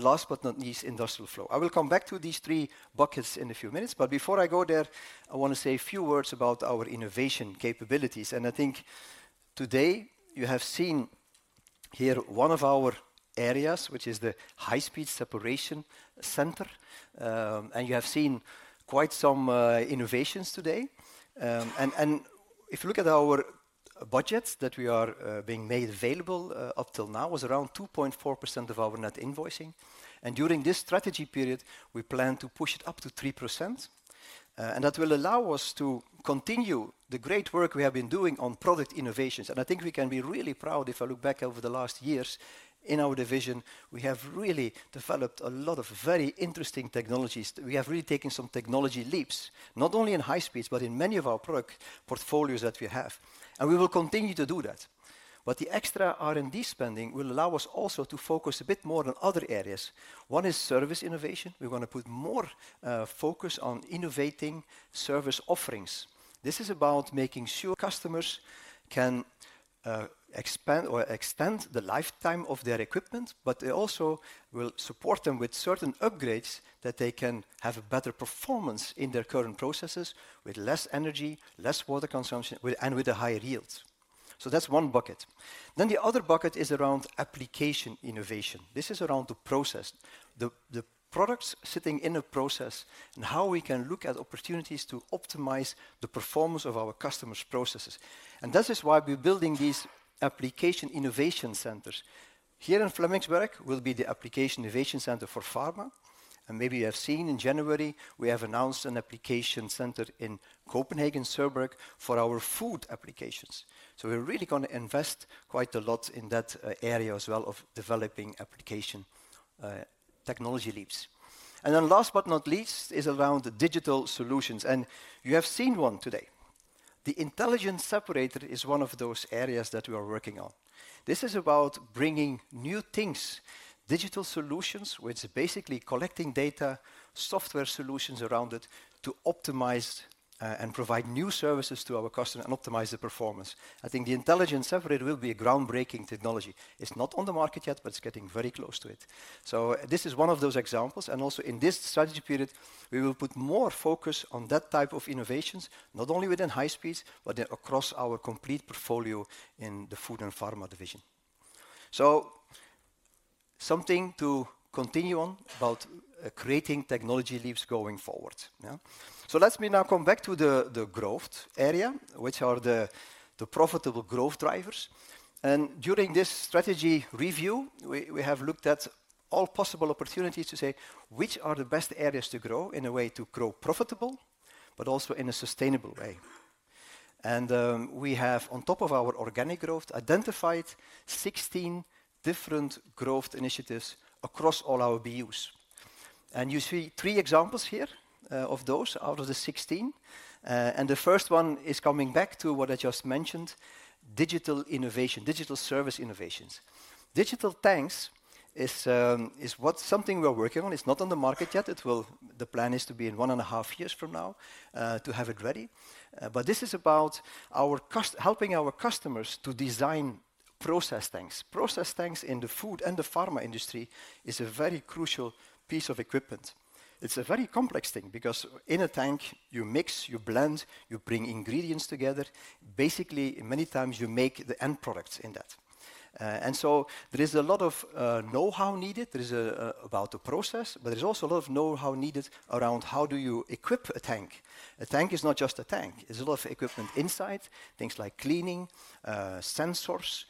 Speaker 2: Last but not least, industrial flow. I will come back to these three buckets in a few minutes. Before I go there, I want to say a few words about our innovation capabilities. I think today you have seen here one of our areas, which is the high-speed separation center. You have seen quite some innovations today. If you look at our budgets that are being made available, up till now it was around 2.4% of our net invoicing. During this strategy period, we plan to push it up to 3%. That will allow us to continue the great work we have been doing on product innovations. I think we can be really proud if I look back over the last years in our division, we have really developed a lot of very interesting technologies. We have really taken some technology leaps, not only in high speeds, but in many of our product portfolios that we have. We will continue to do that. The extra R&D spending will allow us also to focus a bit more on other areas. One is service innovation. We want to put more focus on innovating service offerings. This is about making sure customers can expand or extend the lifetime of their equipment, but they also will support them with certain upgrades that they can have a better performance in their current processes with less energy, less water consumption, and with a higher yield. That is one bucket. The other bucket is around application innovation. This is around the process, the products sitting in a process and how we can look at opportunities to optimize the performance of our customers' processes. This is why we're building these application innovation centers. Here in Flemingsberg will be the application innovation center for pharma. Maybe you have seen in January, we have announced an application center in Copenhagen, [Søborg], for our food applications. We're really going to invest quite a lot in that area as well of developing application, technology leaps. Last but not least is around digital solutions. You have seen one today. The intelligent separator is one of those areas that we are working on. This is about bringing new things, digital solutions, which is basically collecting data, software solutions around it to optimize and provide new services to our customer and optimize the performance. I think the intelligent separator will be a groundbreaking technology. It's not on the market yet, but it's getting very close to it. This is one of those examples. Also in this strategy period, we will put more focus on that type of innovations, not only within high speeds, but across our complete portfolio in the Food & Pharma Division. Something to continue on about creating technology leaps going forward. Let me now come back to the growth area, which are the profitable growth drivers. During this strategy review, we have looked at all possible opportunities to say which are the best areas to grow in a way to grow profitable, but also in a sustainable way. We have on top of our organic growth identified 16 different growth initiatives across all our BUs. You see three examples here, of those out of the 16. The first one is coming back to what I just mentioned, digital innovation, digital service innovations. Digital tanks is what something we're working on. It's not on the market yet. It will, the plan is to be in one-and-a-half years from now, to have it ready. This is about our customers helping our customers to design process tanks. Process tanks in the food and the pharma industry is a very crucial piece of equipment. It's a very complex thing because in a tank, you mix, you blend, you bring ingredients together. Basically, many times you make the end products in that. There is a lot of know-how needed. There is about the process, but there's also a lot of know-how needed around how do you equip a tank. A tank is not just a tank. There's a lot of equipment inside, things like cleaning, sensors,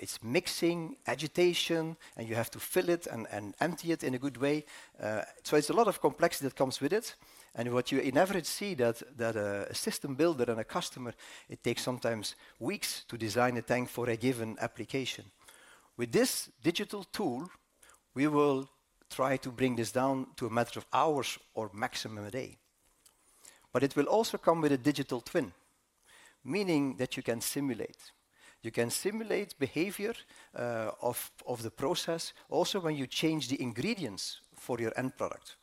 Speaker 2: it's mixing, agitation, and you have to fill it and empty it in a good way. It is a lot of complexity that comes with it. What you in average see is that a system builder and a customer, it takes sometimes weeks to design a tank for a given application. With this digital tool, we will try to bring this down to a matter of hours or maximum a day. It will also come with a digital twin, meaning that you can simulate, you can simulate behavior of the process also when you change the ingredients for your end product.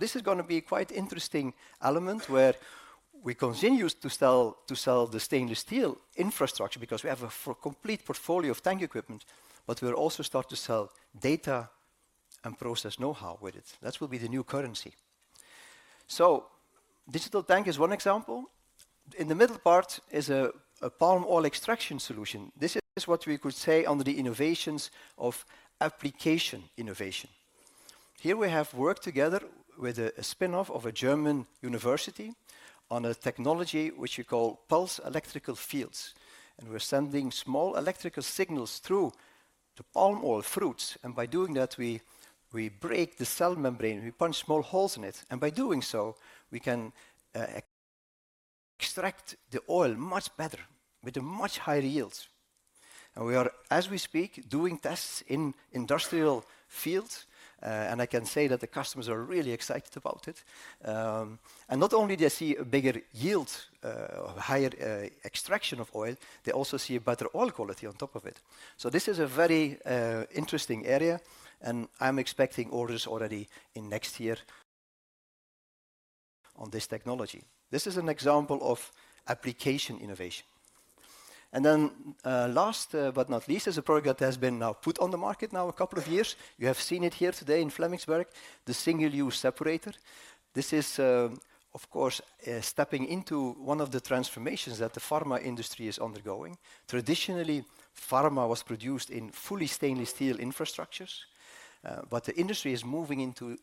Speaker 2: This is going to be a quite interesting element where we continue to sell, to sell the stainless steel infrastructure because we have a complete portfolio of tank equipment, but we'll also start to sell data and process know-how with it. That will be the new currency. Digital tank is one example. In the middle part is a, a palm oil extraction solution. This is what we could say under the innovations of application innovation. Here we have worked together with a spinoff of a German university on a technology which we call pulsed electrical fields. We're sending small electrical signals through the palm oil fruits. By doing that, we break the cell membrane, we punch small holes in it. By doing so, we can extract the oil much better with a much higher yield. We are, as we speak, doing tests in industrial fields. I can say that the customers are really excited about it. Not only do they see a bigger yield, of higher extraction of oil, they also see a better oil quality on top of it. This is a very interesting area. I am expecting orders already in next year on this technology. This is an example of application innovation. Last, but not least, is a product that has been now put on the market now a couple of years. You have seen it here today in Flemingsberg, the single-use separator. This is, of course, stepping into one of the transformations that the pharma industry is undergoing. Traditionally, pharma was produced in fully stainless steel infrastructures, but the industry is moving into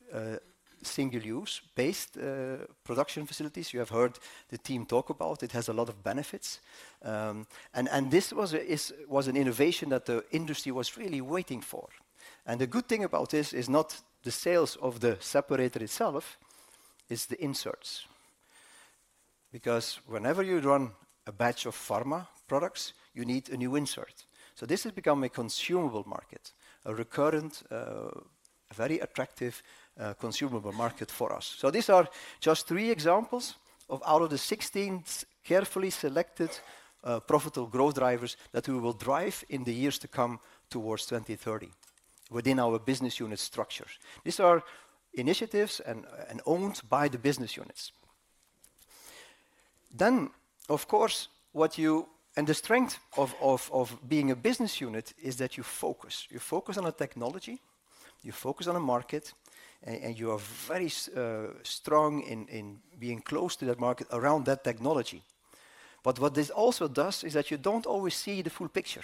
Speaker 2: single-use based production facilities. You have heard the team talk about it has a lot of benefits. This was an innovation that the industry was really waiting for. The good thing about this is not the sales of the separator itself, it's the inserts. Because whenever you run a batch of pharma products, you need a new insert. This has become a consumable market, a recurrent, very attractive, consumable market for us. These are just three examples out of the 16 carefully selected, profitable growth drivers that we will drive in the years to come towards 2030 within our business unit structure. These are initiatives owned by the business units. Of course, what you, and the strength of being a business unit is that you focus, you focus on a technology, you focus on a market, and you are very strong in being close to that market around that technology. What this also does is that you do not always see the full picture.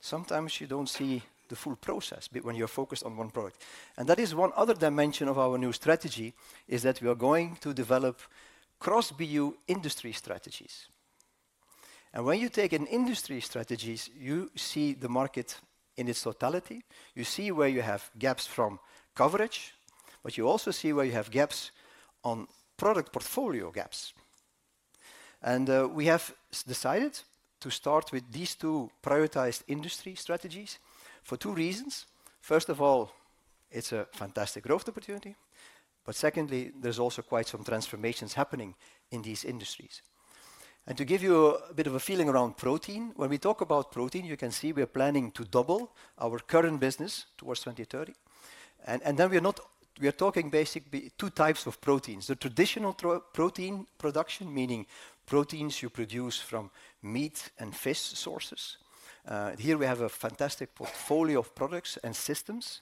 Speaker 2: Sometimes you do not see the full process when you are focused on one product. That is one other dimension of our new strategy, that we are going to develop cross-BU industry strategies. When you take an industry strategy, you see the market in its totality. You see where you have gaps from coverage, but you also see where you have gaps on product portfolio gaps. We have decided to start with these two prioritized industry strategies for two reasons. First of all, it is a fantastic growth opportunity. Secondly, there's also quite some transformations happening in these industries. To give you a bit of a feeling around protein, when we talk about protein, you can see we are planning to double our current business towards 2030. We are talking basically two types of proteins. The traditional protein production, meaning proteins you produce from meat and fish sources. Here we have a fantastic portfolio of products and systems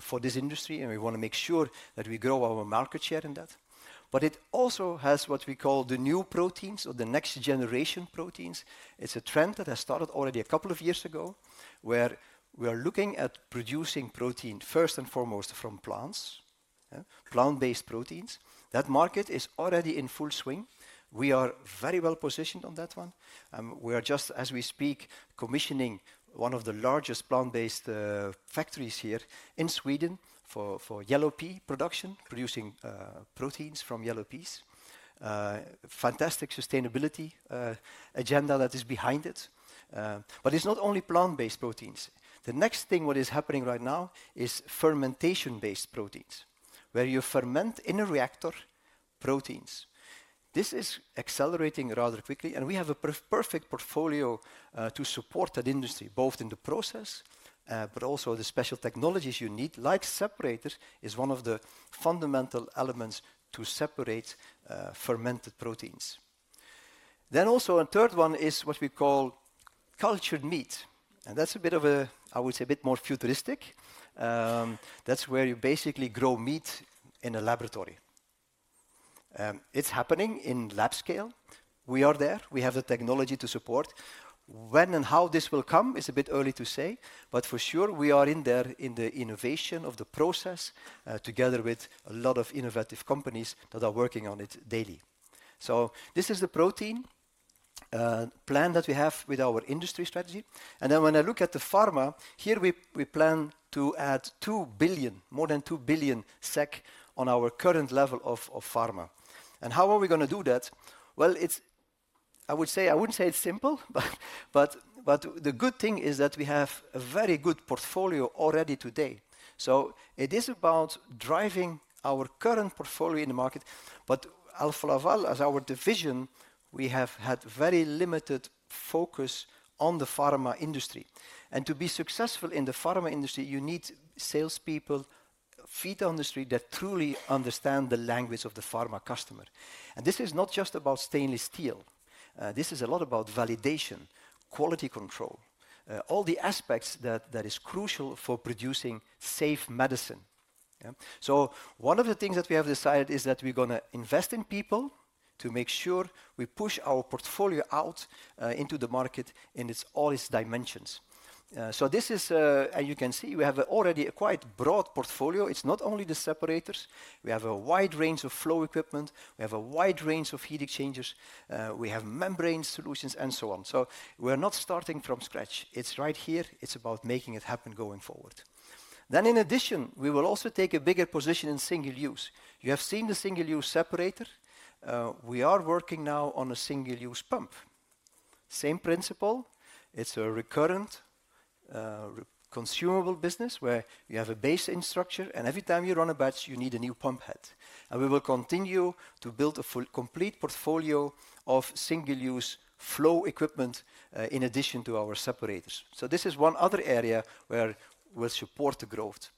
Speaker 2: for this industry, and we want to make sure that we grow our market share in that. It also has what we call the new proteins or the next generation proteins. It's a trend that has started already a couple of years ago where we are looking at producing protein first and foremost from plants, plant-based proteins. That market is already in full swing. We are very well positioned on that one. We are just, as we speak, commissioning one of the largest plant-based factories here in Sweden for yellow pea production, producing proteins from yellow peas. Fantastic sustainability agenda that is behind it. It is not only plant-based proteins. The next thing that is happening right now is fermentation-based proteins where you ferment in a reactor proteins. This is accelerating rather quickly. We have a perfect portfolio to support that industry both in the process, but also the special technologies you need. Like separator is one of the fundamental elements to separate fermented proteins. Also, a third one is what we call cultured meat. That is a bit of a, I would say, a bit more futuristic. That is where you basically grow meat in a laboratory. It is happening in lab scale. We are there. We have the technology to support. When and how this will come is a bit early to say, but for sure we are in there in the innovation of the process, together with a lot of innovative companies that are working on it daily. This is the protein plan that we have with our industry strategy. When I look at the pharma here, we plan to add 2 billion, more than 2 billion SEK on our current level of pharma. How are we going to do that? I would say, I would not say it is simple, but the good thing is that we have a very good portfolio already today. It is about driving our current portfolio in the Alfa Laval, as our division, we have had very limited focus on the pharma industry. To be successful in the pharma industry, you need salespeople, feet on the street that truly understand the language of the pharma customer. This is not just about stainless steel. This is a lot about validation, quality control, all the aspects that are crucial for producing safe medicine. Yeah. One of the things that we have decided is that we're going to invest in people to make sure we push our portfolio out into the market in all its dimensions. As you can see, we have already a quite broad portfolio. It's not only the separators. We have a wide range of flow equipment. We have a wide range of heat exchangers. We have membrane solutions and so on. We're not starting from scratch. It's right here. It's about making it happen going forward. In addition, we will also take a bigger position in single use. You have seen the single-use separator. We are working now on a single-use pump. Same principle. It is a recurrent, consumable business where you have a base in structure and every time you run a batch, you need a new pump head. We will continue to build a full complete portfolio of single-use flow equipment, in addition to our separators. This is one other area where we will support the growth.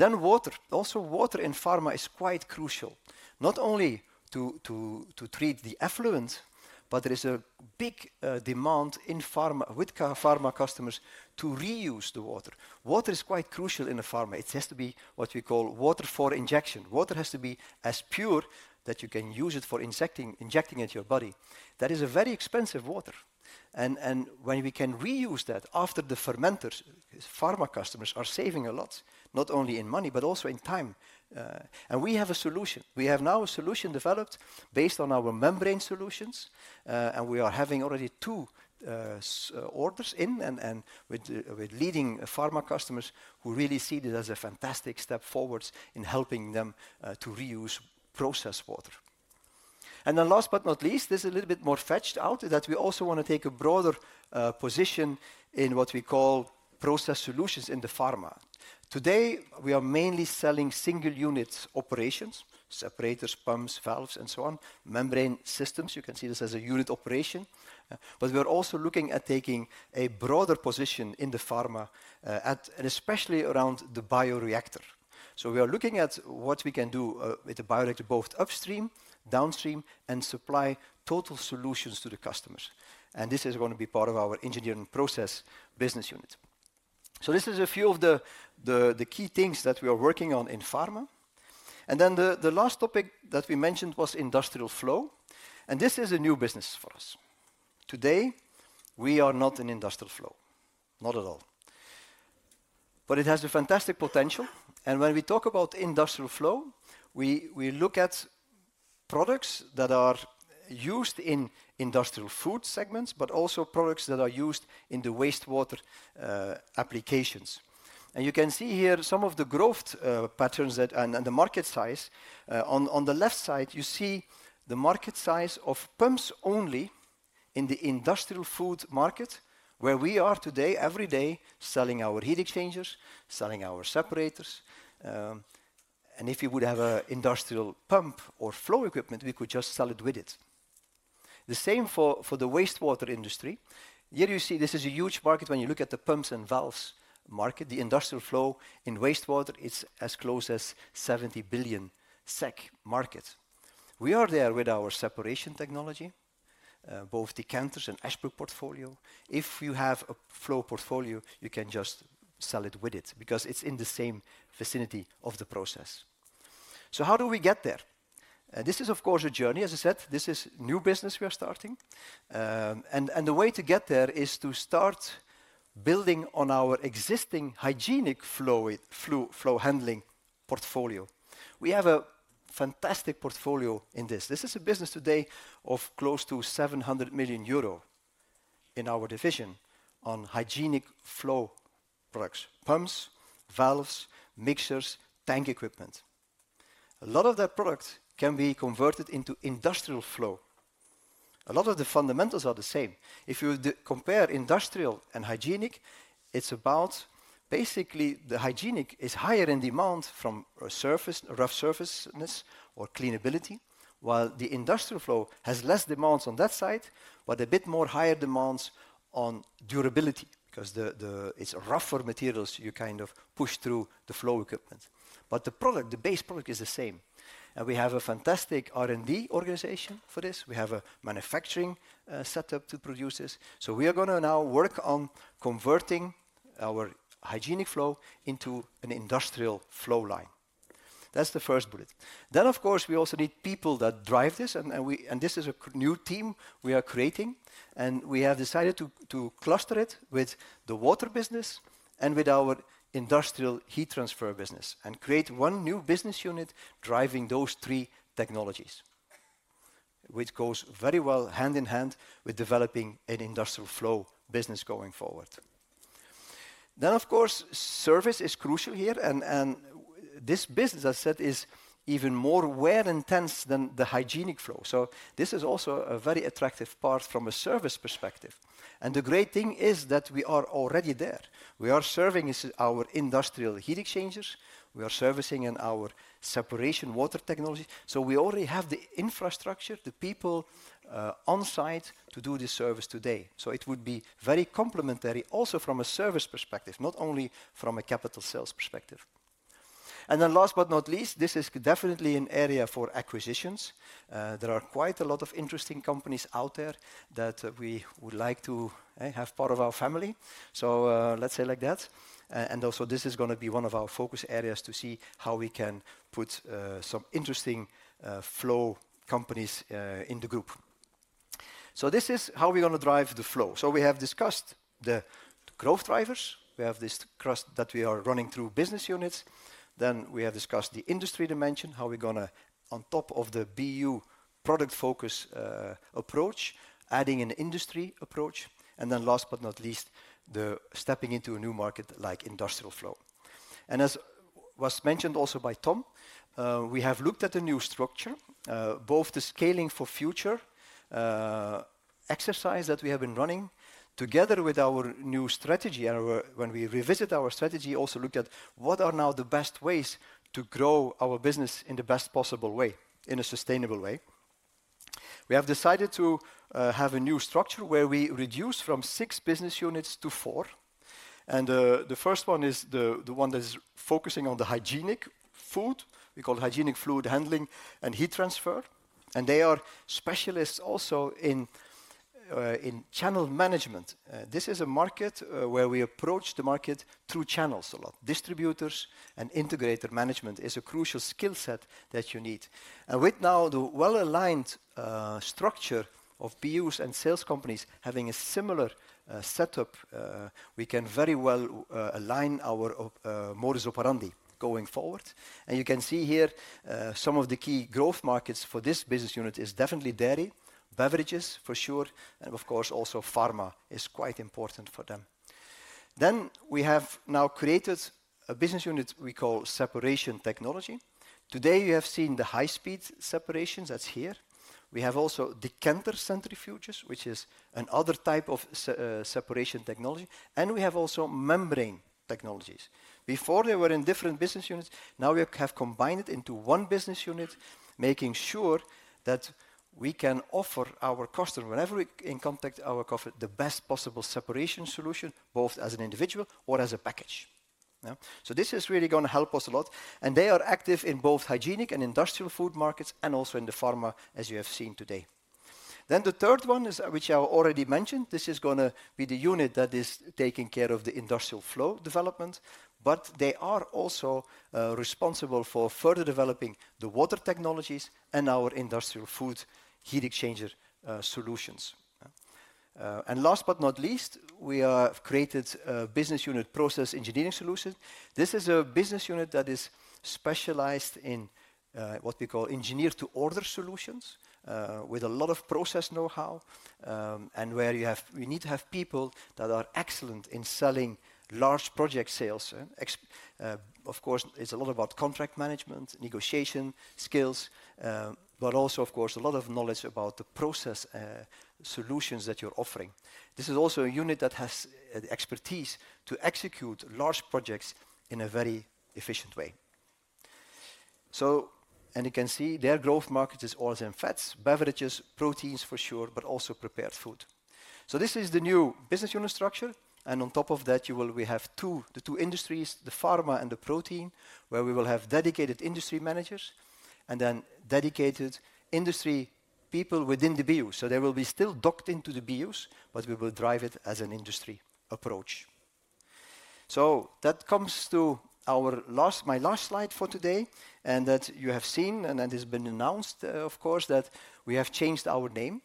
Speaker 2: Water in pharma is quite crucial, not only to treat the effluent, but there is a big demand in pharma with pharma customers to reuse the water. Water is quite crucial in pharma. It has to be what we call water for injection. Water has to be as pure that you can use it for injecting, injecting at your body. That is a very expensive water. When we can reuse that after the fermenters, pharma customers are saving a lot, not only in money, but also in time. We have a solution. We have now a solution developed based on our membrane solutions. We are having already two orders in with leading pharma customers who really see this as a fantastic step forwards in helping them to reuse process water. Last but not least, this is a little bit more fetched out that we also want to take a broader position in what we call process solutions in the pharma. Today we are mainly selling single units operations, separators, pumps, valves, and so on, membrane systems. You can see this as a unit operation. We are also looking at taking a broader position in the pharma, at, and especially around the bioreactor. We are looking at what we can do with the bioreactor both upstream, downstream, and supply total solutions to the customers. This is going to be part of our engineering process business unit. This is a few of the key things that we are working on in pharma. The last topic that we mentioned was industrial flow. This is a new business for us. Today we are not in industrial flow, not at all. It has a fantastic potential. When we talk about industrial flow, we look at products that are used in industrial food segments, but also products that are used in the wastewater applications. You can see here some of the growth patterns that, and the market size. On the left side, you see the market size of pumps only in the industrial food market where we are today, every day selling our heat exchangers, selling our separators. If you would have an industrial pump or flow equipment, we could just sell it with it. The same for the wastewater industry. Here you see this is a huge market. When you look at the pumps and valves market, the industrial flow in wastewater, it's as close as 70 billion SEK market. We are there with our separation technology, both the decanters and Ashbrook portfolio. If you have a flow portfolio, you can just sell it with it because it's in the same vicinity of the process. How do we get there? This is of course a journey. As I said, this is new business we are starting, and the way to get there is to start building on our existing hygienic flow, flow handling portfolio. We have a fantastic portfolio in this. This is a business today of close to 700 million euro in our division on hygienic flow products, pumps, valves, mixers, tank equipment. A lot of that product can be converted into industrial flow. A lot of the fundamentals are the same. If you compare industrial and hygienic, it's about basically the hygienic is higher in demand from a surface, rough surfaceness or cleanability, while the industrial flow has less demands on that side, but a bit more higher demands on durability because it's rougher materials you kind of push through the flow equipment. But the product, the base product is the same. We have a fantastic R&D organization for this. We have a manufacturing setup to produce this. We are going to now work on converting our hygienic flow into an industrial flow line. That is the first bullet. Of course, we also need people that drive this. This is a new team we are creating and we have decided to cluster it with the water business and with our industrial heat transfer business and create one new business unit driving those three technologies, which goes very well hand in hand with developing an industrial flow business going forward. Of course, service is crucial here. This business, as I said, is even more wear intense than the hygienic flow. This is also a very attractive part from a service perspective. The great thing is that we are already there. We are serving our industrial heat exchangers. We are servicing in our separation water technology. We already have the infrastructure, the people, on site to do this service today. It would be very complementary also from a service perspective, not only from a capital sales perspective. Last but not least, this is definitely an area for acquisitions. There are quite a lot of interesting companies out there that we would like to have part of our family. Let's say like that. Also, this is going to be one of our focus areas to see how we can put some interesting flow companies in the group. This is how we're going to drive the flow. We have discussed the growth drivers. We have this cross that we are running through business units. We have discussed the industry dimension, how we're going to, on top of the BU product focus, approach, adding an industry approach. Last but not least, the stepping into a new market like industrial flow. As was mentioned also by Tom, we have looked at a new structure, both the scaling for future, exercise that we have been running together with our new strategy. When we revisit our strategy, also looked at what are now the best ways to grow our business in the best possible way, in a sustainable way. We have decided to have a new structure where we reduce from six business units to four. The first one is the one that is focusing on the hygienic food. We call it hygienic fluid handling and heat transfer. They are specialists also in channel management. This is a market where we approach the market through channels a lot. Distributors and integrator management is a crucial skill set that you need. With now the well-aligned structure of BUs and sales companies having a similar setup, we can very well align our modus operandi going forward. You can see here, some of the key growth markets for this business unit is definitely dairy, beverages for sure. Of course, also pharma is quite important for them. We have now created a business unit we call separation technology. Today you have seen the high speed separations that's here. We have also `decanter centrifuges, which is another type of separation technology. We have also membrane technologies. Before they were in different business units, now we have combined it into one business unit, making sure that we can offer our customer whenever we in contact our customer the best possible separation solution, both as an individual or as a package. Yeah. This is really going to help us a lot. They are active in both hygienic and industrial food markets and also in the pharma, as you have seen today. The third one is which I already mentioned. This is going to be the unit that is taking care of the industrial flow development, but they are also responsible for further developing the water technologies and our industrial food heat exchanger solutions. Last but not least, we have created a business unit process engineering solution. This is a business unit that is specialized in what we call engineer to order solutions, with a lot of process know-how, and where you have, we need to have people that are excellent in selling large project sales. Of course, it's a lot about contract management, negotiation skills, but also of course a lot of knowledge about the process, solutions that you're offering. This is also a unit that has the expertise to execute large projects in a very efficient way. You can see their growth market is all them fats, beverages, proteins for sure, but also prepared food. This is the new business unit structure. On top of that, we have two, the two industries, the pharma and the protein, where we will have dedicated industry managers and then dedicated industry people within the BUs. There will still be docked into the BUs, but we will drive it as an industry approach. That comes to my last slide for today. You have seen, and that has been announced, of course, that we have changed our name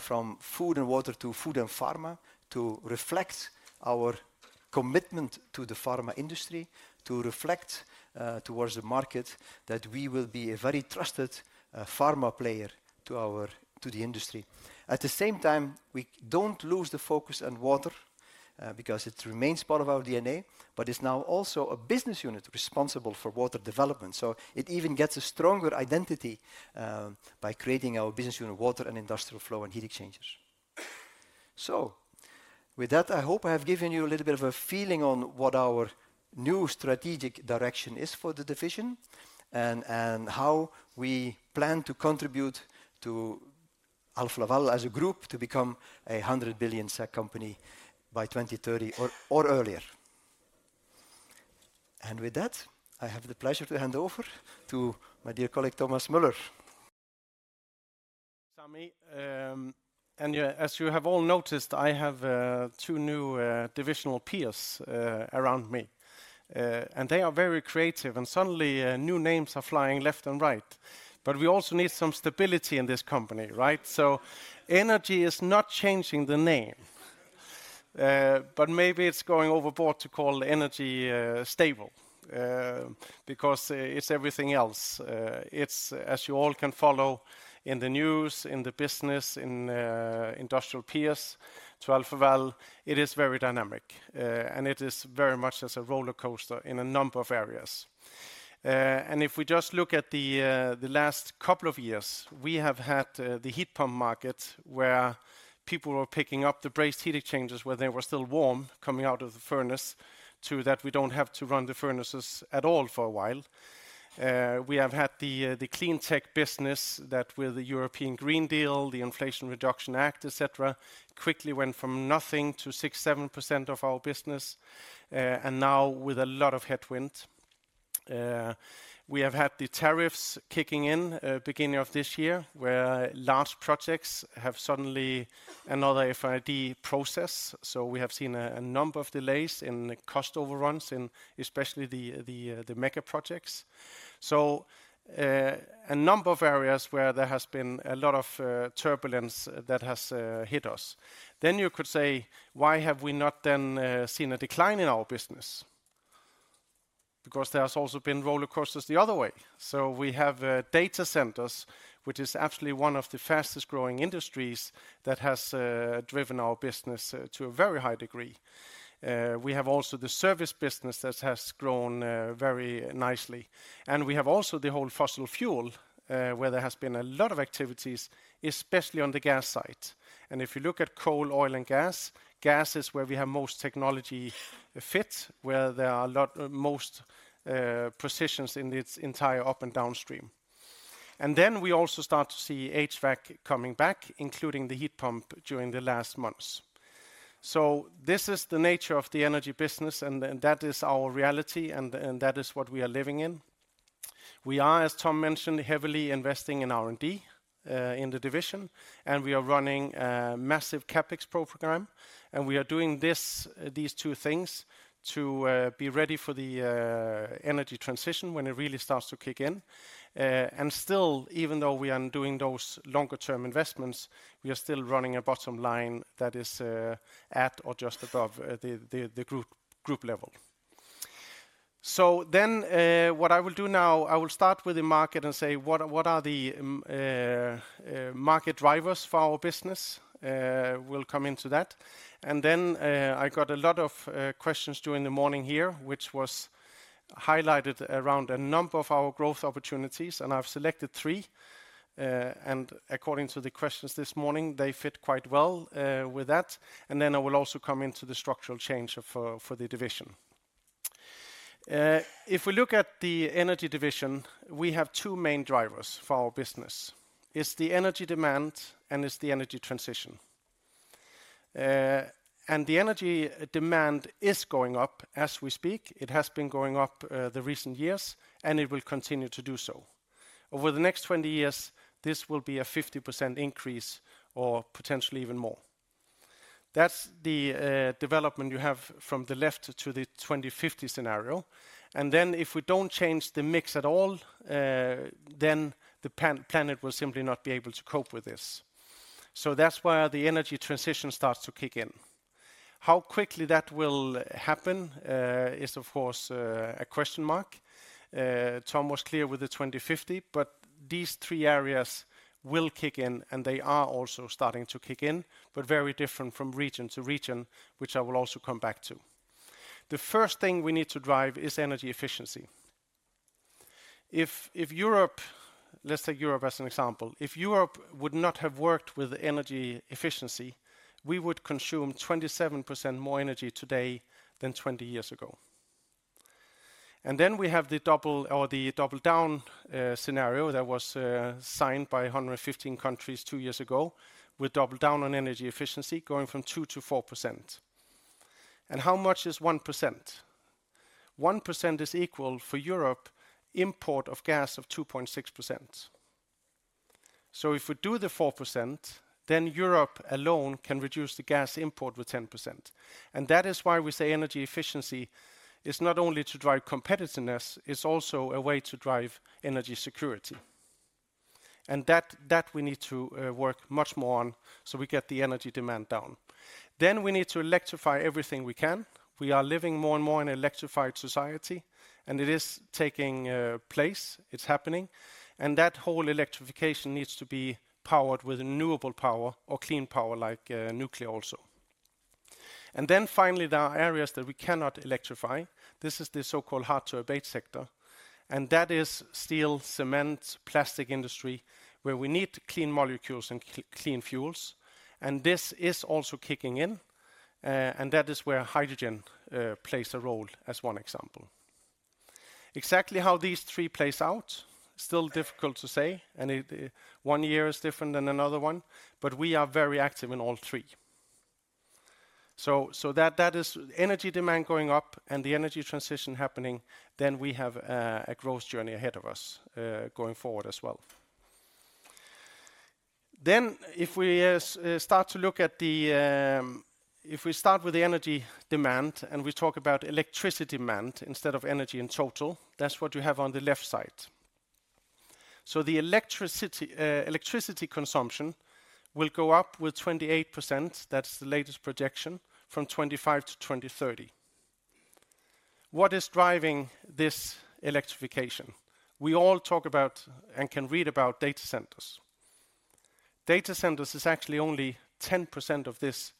Speaker 2: from Food and Water to Food and Pharma to reflect our commitment to the pharma industry, to reflect, towards the market that we will be a very trusted pharma player to the industry. At the same time, we do not lose the focus on water, because it remains part of our DNA, but it is now also a business unit responsible for water development. It even gets a stronger identity by creating our business unit water and industrial flow and heat exchangers. With that, I hope I have given you a little bit of a feeling on what our new strategic direction is for the division and how we plan to contribute Alfa Laval as a group to become a 100 billion SEK company by 2030 or earlier. With that, I have the pleasure to hand over to my dear colleague Thomas Møller.
Speaker 3: Thank you Sammy, as you have all noticed, I have two new divisional peers around me, and they are very creative and suddenly new names are flying left and right. We also need some stability in this company, right? Energy is not changing the name, but maybe it is going overboard to call energy stable, because it is everything else. It's, as you all can follow in the news, in the business, in industrial peers Alfa Laval, it is very dynamic, and it is very much as a roller coaster in a number of areas. If we just look at the last couple of years, we have had the heat pump market where people were picking up the brazed heat exchangers when they were still warm coming out of the furnace to that we do not have to run the furnaces at all for a while. We have had the clean tech business that with the European Green Deal, the Inflation Reduction Act, et cetera, quickly went from nothing to 6-7% of our business. Now with a lot of headwind, we have had the tariffs kicking in, beginning of this year where large projects have suddenly another FID process. We have seen a number of delays and cost overruns, especially in the mega projects. A number of areas where there has been a lot of turbulence have hit us. You could say, why have we not then seen a decline in our business? Because there have also been roller coasters the other way. We have data centers, which is actually one of the fastest growing industries that has driven our business to a very high degree. We have also the service business that has grown very nicely. We have also the whole fossil fuel, where there has been a lot of activities, especially on the gas side. If you look at coal, oil, and gas, gas is where we have most technology fit, where there are the most precisions in its entire up and downstream. We also start to see HVAC coming back, including the heat pump during the last months. This is the nature of the energy business, and that is our reality, and that is what we are living in. We are, as Tom mentioned, heavily investing in R&D, in the division, and we are running a massive CapEx program, and we are doing this, these two things to be ready for the energy transition when it really starts to kick in. Still, even though we are doing those longer term investments, we are still running a bottom line that is at or just above the group level. What I will do now, I will start with the market and say what are the market drivers for our business? We'll come into that. I got a lot of questions during the morning here, which was highlighted around a number of our growth opportunities, and I've selected three. According to the questions this morning, they fit quite well with that. I will also come into the structural change for the division. If we look at the Energy Division, we have two main drivers for our business. It's the energy demand and it's the energy transition. The energy demand is going up as we speak. It has been going up the recent years, and it will continue to do so. Over the next 20 years, this will be a 50% increase or potentially even more. That's the development you have from the left to the 2050 scenario. If we do not change the mix at all, the planet will simply not be able to cope with this. That is where the energy transition starts to kick in. How quickly that will happen is, of course, a question mark. Tom was clear with the 2050, but these three areas will kick in, and they are also starting to kick in, but very different from region to region, which I will also come back to. The first thing we need to drive is energy efficiency. If Europe, let's take Europe as an example, if Europe would not have worked with energy efficiency, we would consume 27% more energy today than 20 years ago. Then we have the double or the double down scenario that was signed by 115 countries two years ago with double down on energy efficiency going from 2% to 4%. How much is 1%? 1% is equal for Europe import of gas of 2.6%. If we do the 4%, then Europe alone can reduce the gas import with 10%. That is why we say energy efficiency is not only to drive competitiveness, it is also a way to drive energy security. That, that we need to work much more on so we get the energy demand down. We need to electrify everything we can. We are living more and more in an electrified society, and it is taking place. It is happening. That whole electrification needs to be powered with renewable power or clean power like nuclear also. Finally, there are areas that we cannot electrify. This is the so-called hard to abate sector, and that is steel, cement, plastic industry where we need clean molecules and clean fuels. This is also kicking in, and that is where hydrogen plays a role as one example. Exactly how these three play out, still difficult to say, and one year is different than another one, but we are very active in all three. That is energy demand going up and the energy transition happening. We have a growth journey ahead of us, going forward as well. If we start to look at the, if we start with the energy demand and we talk about electricity demand instead of energy in total, that is what you have on the left side. The electricity consumption will go up with 28%. That is the latest projection from 2025 to 2030. What is driving this electrification? We all talk about and can read about data centers. Data centers is actually only 10% of this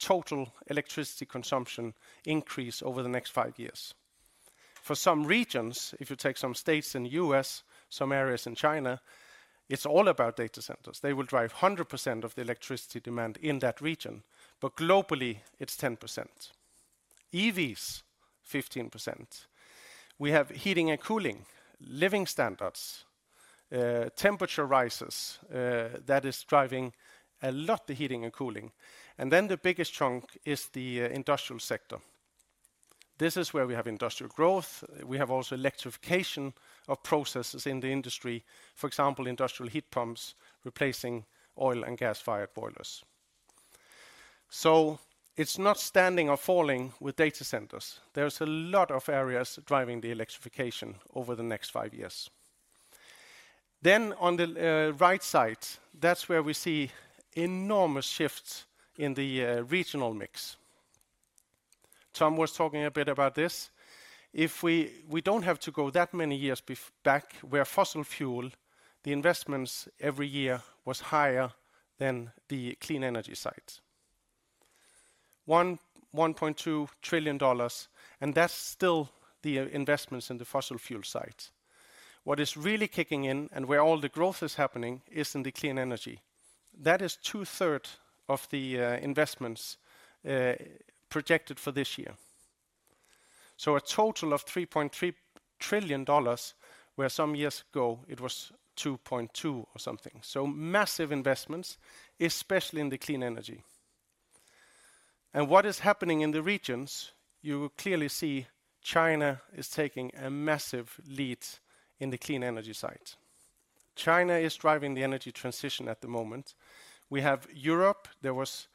Speaker 3: total electricity consumption increase over the next five years. For some regions, if you take some states in the U.S., some areas in China, it's all about data centers. They will drive 100% of the electricity demand in that region, but globally it's 10%. EVs, 15%. We have heating and cooling, living standards, temperature rises, that is driving a lot the heating and cooling. The biggest chunk is the industrial sector. This is where we have industrial growth. We have also electrification of processes in the industry, for example, industrial heat pumps replacing oil and gas-fired boilers. It's not standing or falling with data centers. There's a lot of areas driving the electrification over the next five years. On the right side, that's where we see enormous shifts in the regional mix. Tom was talking a bit about this. If we, we do not have to go that many years back where fossil fuel, the investments every year was higher than the clean energy site. One, $1.2 trillion, and that is still the investments in the fossil fuel site. What is really kicking in and where all the growth is happening is in the clean energy. That is two thirds of the investments, projected for this year. A total of $3.3 trillion where some years ago it was $2.2 trillion or something. Massive investments, especially in the clean energy. What is happening in the regions, you clearly see China is taking a massive lead in the clean energy site. China is driving the energy transition at the moment. We have Europe. There was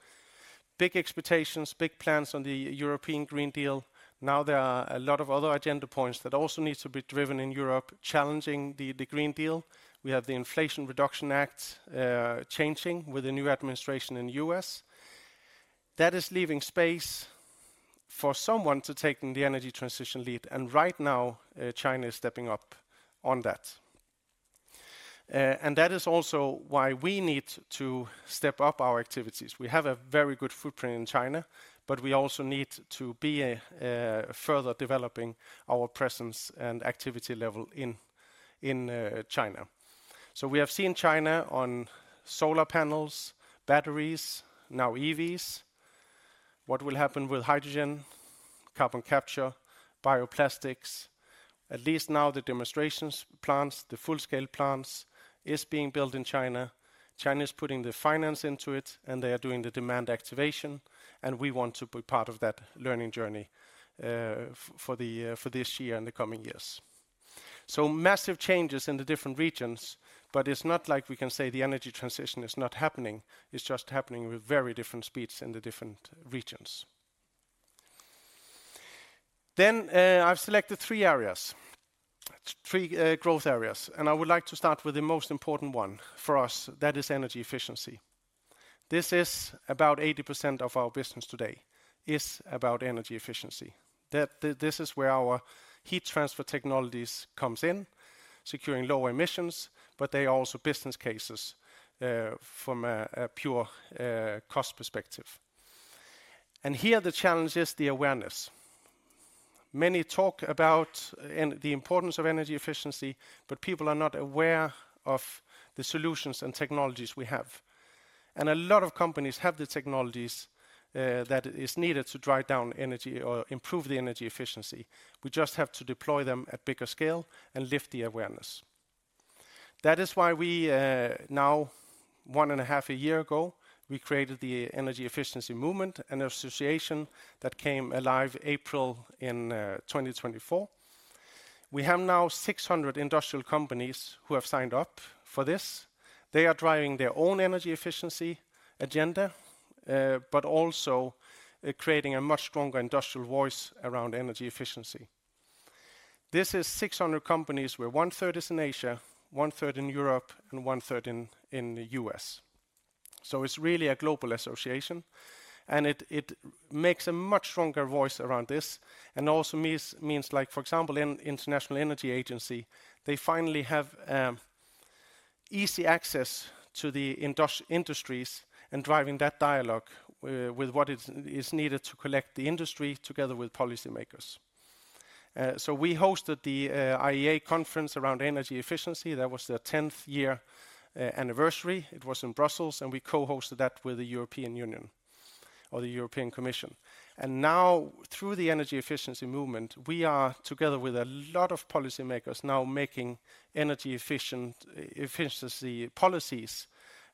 Speaker 3: big expectations, big plans on the European Green Deal. Now there are a lot of other agenda points that also need to be driven in Europe, challenging the Green Deal. We have the Inflation Reduction Act, changing with the new administration in the U.S. that is leaving space for someone to take the energy transition lead. Right now, China is stepping up on that. That is also why we need to step up our activities. We have a very good footprint in China, but we also need to be further developing our presence and activity level in China. We have seen China on solar panels, batteries, now EVs. What will happen with hydrogen, carbon capture, bioplastics? At least now the demonstration plants, the full scale plants, are being built in China. China is putting the finance into it and they are doing the demand activation. We want to be part of that learning journey for this year and the coming years. Massive changes in the different regions, but it's not like we can say the energy transition is not happening. It's just happening with very different speeds in the different regions. I have selected three areas, three growth areas, and I would like to start with the most important one for us. That is energy efficiency. About 80% of our business today is about energy efficiency. This is where our heat transfer technologies come in, securing lower emissions, but they are also business cases from a pure cost perspective. Here the challenge is the awareness. Many talk about the importance of energy efficiency, but people are not aware of the solutions and technologies we have. A lot of companies have the technologies that is needed to drive down energy or improve the energy efficiency. We just have to deploy them at bigger scale and lift the awareness. That is why we, now one-and-a-half a year ago, we created the energy efficiency movement and association that came alive April in 2024. We have now 600 industrial companies who have signed up for this. They are driving their own energy efficiency agenda, but also, creating a much stronger industrial voice around energy efficiency. This is 600 companies where one third is in Asia, one third in Europe, and one third in the U.S.. It is really a global association and it makes a much stronger voice around this. It also means, for example, in International Energy Agency, they finally have easy access to the industries and are driving that dialogue with what is needed to collect the industry together with policymakers. We hosted the IEA conference around energy efficiency. That was the 10th year anniversary. It was in Brussels and we co-hosted that with the European Union or the European Commission. Now through the energy efficiency movement, we are together with a lot of policymakers making energy efficiency policies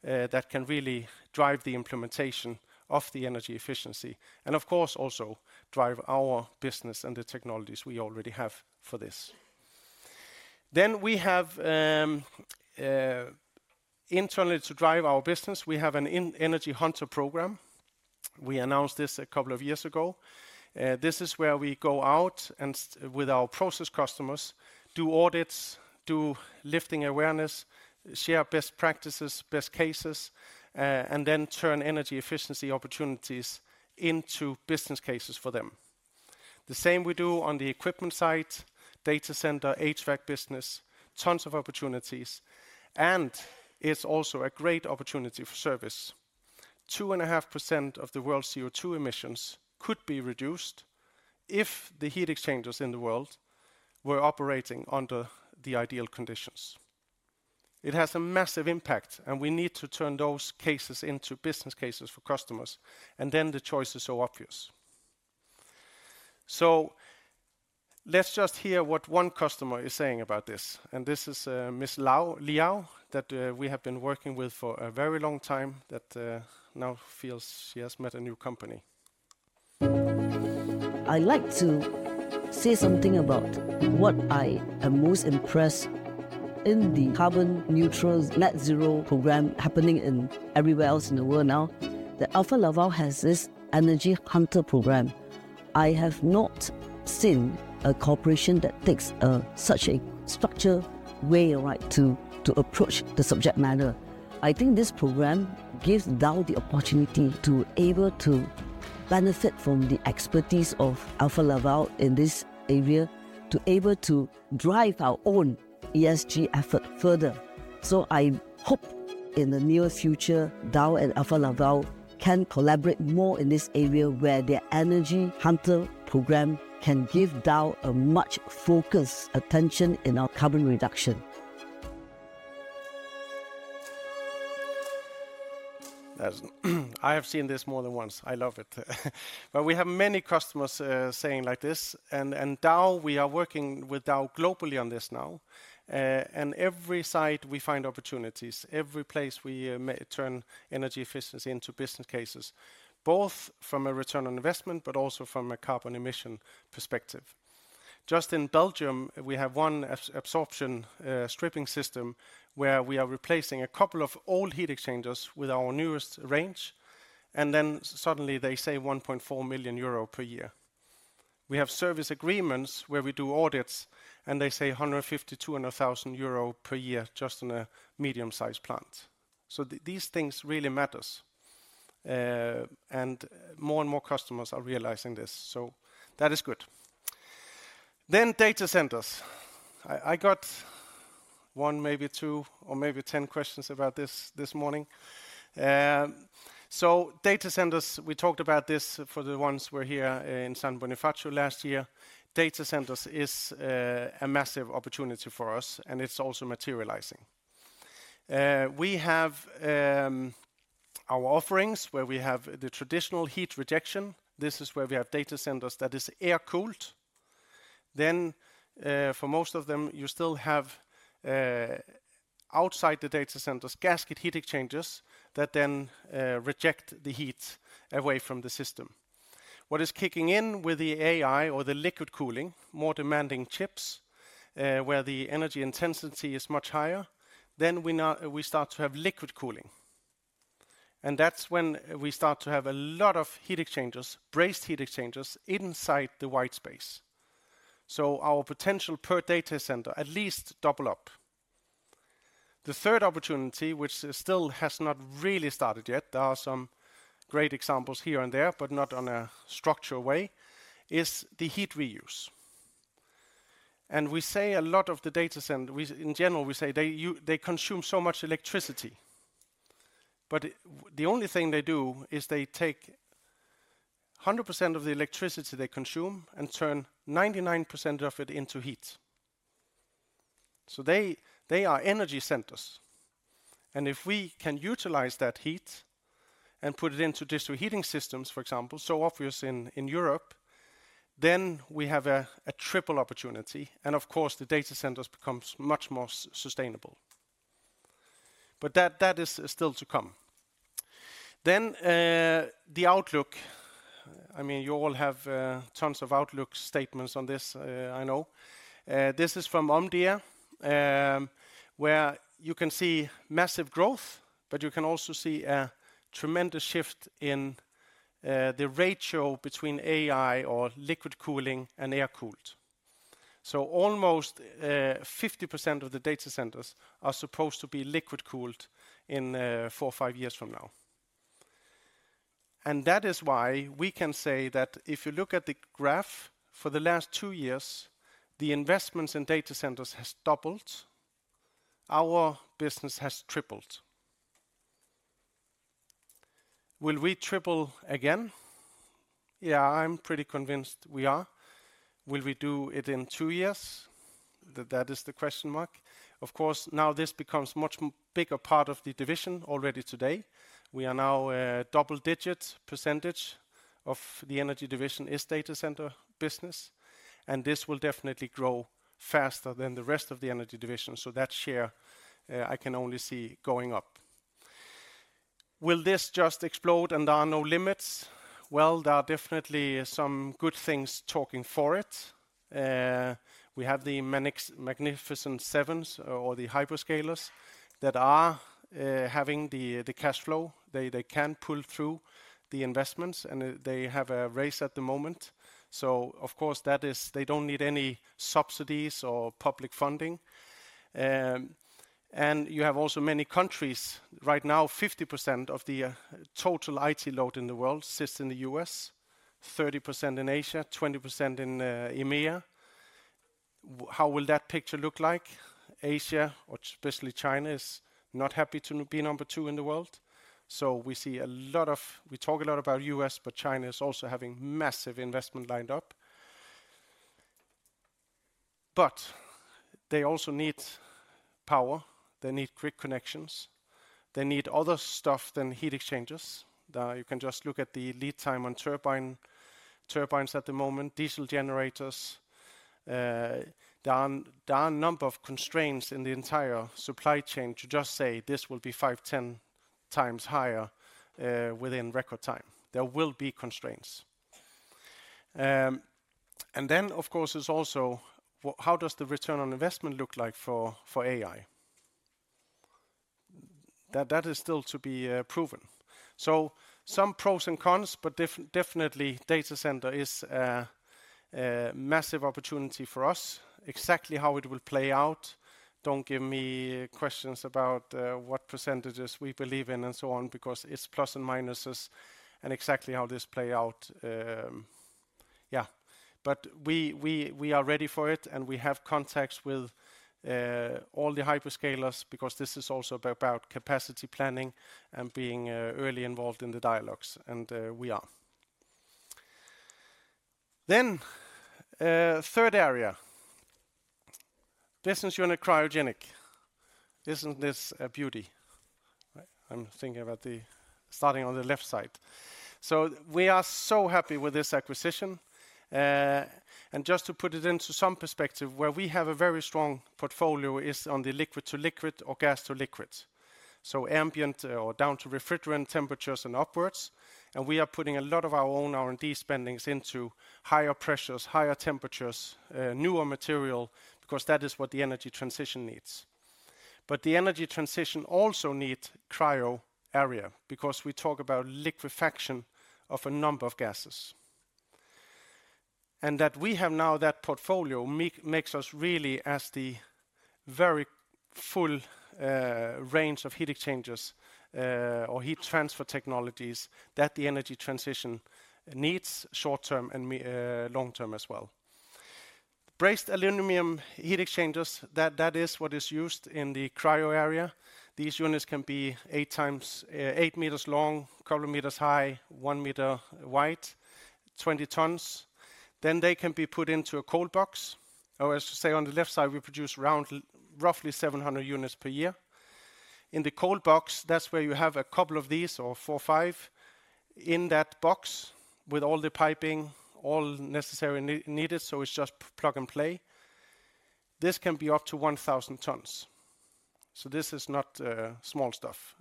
Speaker 3: that can really drive the implementation of energy efficiency and of course also drive our business and the technologies we already have for this. We have, internally to drive our business, an energy hunter program. We announced this a couple of years ago. This is where we go out and with our process customers, do audits, do lifting awareness, share best practices, best cases, and then turn energy efficiency opportunities into business cases for them. The same we do on the equipment side, data center, HVAC business, tons of opportunities, and it's also a great opportunity for service. Two and a half percent of the world's CO2 emissions could be reduced if the heat exchangers in the world were operating under the ideal conditions. It has a massive impact and we need to turn those cases into business cases for customers. The choice is so obvious. Let's just hear what one customer is saying about this. This is Ms. Liau that we have been working with for a very long time that now feels she has met a new company.
Speaker 4: I'd like to say something about what I am most impressed in the carbon neutral net zero program happening in everywhere else in the world Alfa Laval has this Energy Hunter program. I have not seen a corporation that takes such a structured way right to, to approach the subject matter. I think this program gives Dow the opportunity to be able to benefit from the expertise Alfa Laval in this area to be able to drive our own ESG effort further. I hope in the near future, Dow Alfa Laval can collaborate more in this area where their Energy Hunter program can give Dow a much focused attention in our carbon reduction.
Speaker 3: I have seen this more than once. I love it. We have many customers, saying like this and, and Dow, we are working with Dow globally on this now. At every site we find opportunities, every place we turn energy efficiency into business cases, both from a return on investment, but also from a carbon emission perspective. Just in Belgium, we have one absorption, stripping system where we are replacing a couple of old heat exchangers with our newest range. Suddenly they save 1.4 million euro per year. We have service agreements where we do audits and they save 150,000-200,000 euro per year just in a medium-sized plant. These things really matter, and more and more customers are realizing this. That is good. Data centers. I got one, maybe two or maybe 10 questions about this this morning. Data centers, we talked about this for the ones who were here in San Bonifacio last year. Data centers is a massive opportunity for us and it is also materializing. We have our offerings where we have the traditional heat rejection. This is where we have data centers that are air cooled. For most of them, you still have, outside the data centers, gasket heat exchangers that then reject the heat away from the system. What is kicking in with the AI or the liquid cooling, more demanding chips, where the energy intensity is much higher. We now start to have liquid cooling, and that's when we start to have a lot of heat exchangers, braced-heat exchangers inside the white space. Our potential per data center at least double up. The third opportunity, which still has not really started yet, there are some great examples here and there, but not in a structural way, is the heat reuse. We say a lot of the data centers. In general, we say they consume so much electricity, but the only thing they do is they take 100% of the electricity they consume and turn 99% of it into heat. So they are energy centers. If we can utilize that heat and put it into district heating systems, for example, so obvious in Europe, then we have a triple opportunity. Of course, the data centers become much more sustainable. That is still to come. The outlook, I mean, you all have tons of outlook statements on this. I know, this is from Omdia, where you can see massive growth, but you can also see a tremendous shift in the ratio between AI or liquid cooling and air cooled. So almost 50% of the data centers are supposed to be liquid cooled in four-five years from now. And that is why we can say that if you look at the graph for the last two years, the investments in data centers has doubled. Our business has tripled. Will we triple again? Yeah, I'm pretty convinced we are. Will we do it in two years? That is the question mark. Of course, now this becomes a much bigger part of the division already today. We are now a double-digit percentage of the Energy Division is data center business. And this will definitely grow faster than the rest of the Energy Division. So that share, I can only see going up. Will this just explode and there are no limits? Well, there are definitely some good things going for it. We have the magnificent sevens or the hyperscalers that are having the cash flow. They can pull through the investments and they have a race at the moment. So of course that is, they don't need any subsidies or public funding. And you have also many countries right now, 50% of the total IT load in the world sits in the U.S., 30% in Asia, 20% in EMEA. How will that picture look like? Asia or especially China is not happy to be number two in the world. So we see a lot of, we talk a lot about the U.S., but China is also having massive investment lined up. But they also need power. They need grid connections. They need other stuff than heat exchangers. Now you can just look at the lead time on turbines at the moment, diesel generators. There are a number of constraints in the entire supply chain to just say this will be five, 10 times higher, within record time. There will be constraints. Then of course it's also how does the return on investment look like for AI? That is still to be proven. So some pros and cons, but definitely data center is a massive opportunity for us. Exactly how it will play out. Don't give me questions about what percentages we believe in and so on because it's plus and minuses and exactly how this plays out. Yeah, but we are ready for it and we have contacts with all the hyperscalers because this is also about capacity planning and being early involved in the dialogues and we are. Then, third area, Business Unit Cryogenic. Isn't this a beauty? I'm thinking about starting on the left side, so we are so happy with this acquisition, and just to put it into some perspective, where we have a very strong portfolio is on the liquid-to-liquid or gas-to-liquid. Ambient or down to refrigerant temperatures and upwards. We are putting a lot of our own R&D spending into higher pressures, higher temperatures, newer material because that is what the energy transition needs. The energy transition also needs cryo area because we talk about liquefaction of a number of gases. Now that we have that portfolio, it makes us really a very full range of heat exchangers, or heat transfer technologies that the energy transition needs short-term and long-term as well. Brazed-aluminum heat exchangers, that is what is used in the cryo area. These units can be eight times, eight meters long, a couple of meters high, one meter wide, 20 tons. They can be put into a cold box. As you see on the left side, we produce around roughly 700 units per year in the cold box. That is where you have a couple of these or four, five in that box with all the piping, all necessary needed. It is just plug and play. This can be up to 1,000 tons. This is not small stuff.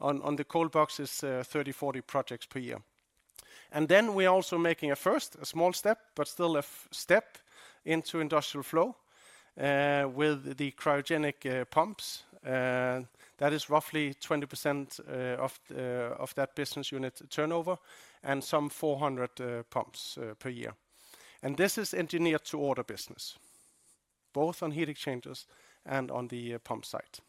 Speaker 3: On the cold box, there are 30-40 projects per year. We are also making a first, a small step, but still a step into industrial flow, with the cryogenic pumps. That is roughly 20% of that business unit turnover and some 400 pumps per year. And this is engineered to order business, both on heat exchangers and on the pump site.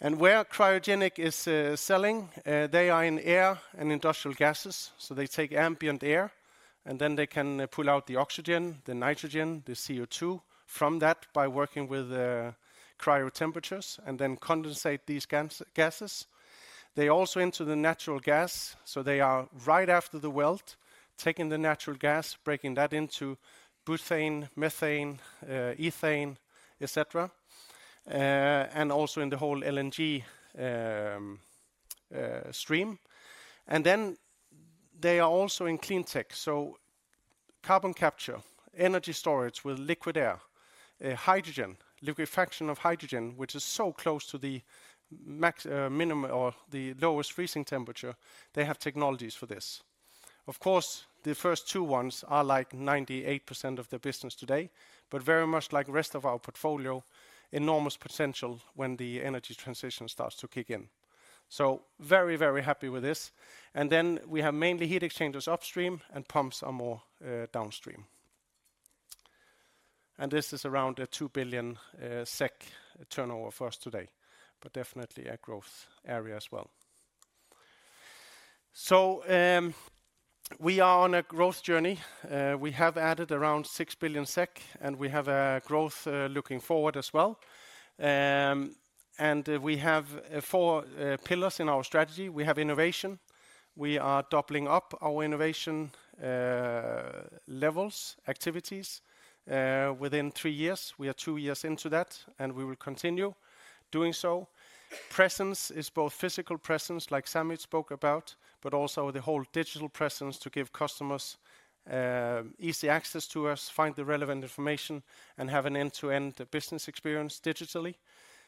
Speaker 3: And where cryogenic is, selling, they are in air and industrial gases. So they take ambient air and then they can pull out the oxygen, the nitrogen, the CO2 from that by working with, cryo temperatures and then condensate these gases. They also enter the natural gas. So they are right after the weld, taking the natural gas, breaking that into butane, methane, ethane, et cetera. and also in the whole LNG, stream. And then they are also in clean tech. So carbon capture, energy storage with liquid air, hydrogen, liquefaction of hydrogen, which is so close to the max, minimum or the lowest freezing temperature. They have technologies for this. Of course, the first two ones are like 98% of the business today, but very much like the rest of our portfolio, enormous potential when the energy transition starts to kick in. So very, very happy with this. And then we have mainly heat exchangers upstream and pumps are more, downstream. And this is around a 2 billion SEK turnover for us today, but definitely a growth area as well. So, we are on a growth journey. we have added around 6 billion SEK and we have a growth, looking forward as well. and we have four, pillars in our strategy. We have innovation. We are doubling up our innovation, levels, activities, within three years. We are two years into that and we will continue doing so. Presence is both physical presence like Sammy spoke about, but also the whole digital presence to give customers, easy access to us, find the relevant information and have an end-to-end business experience digitally.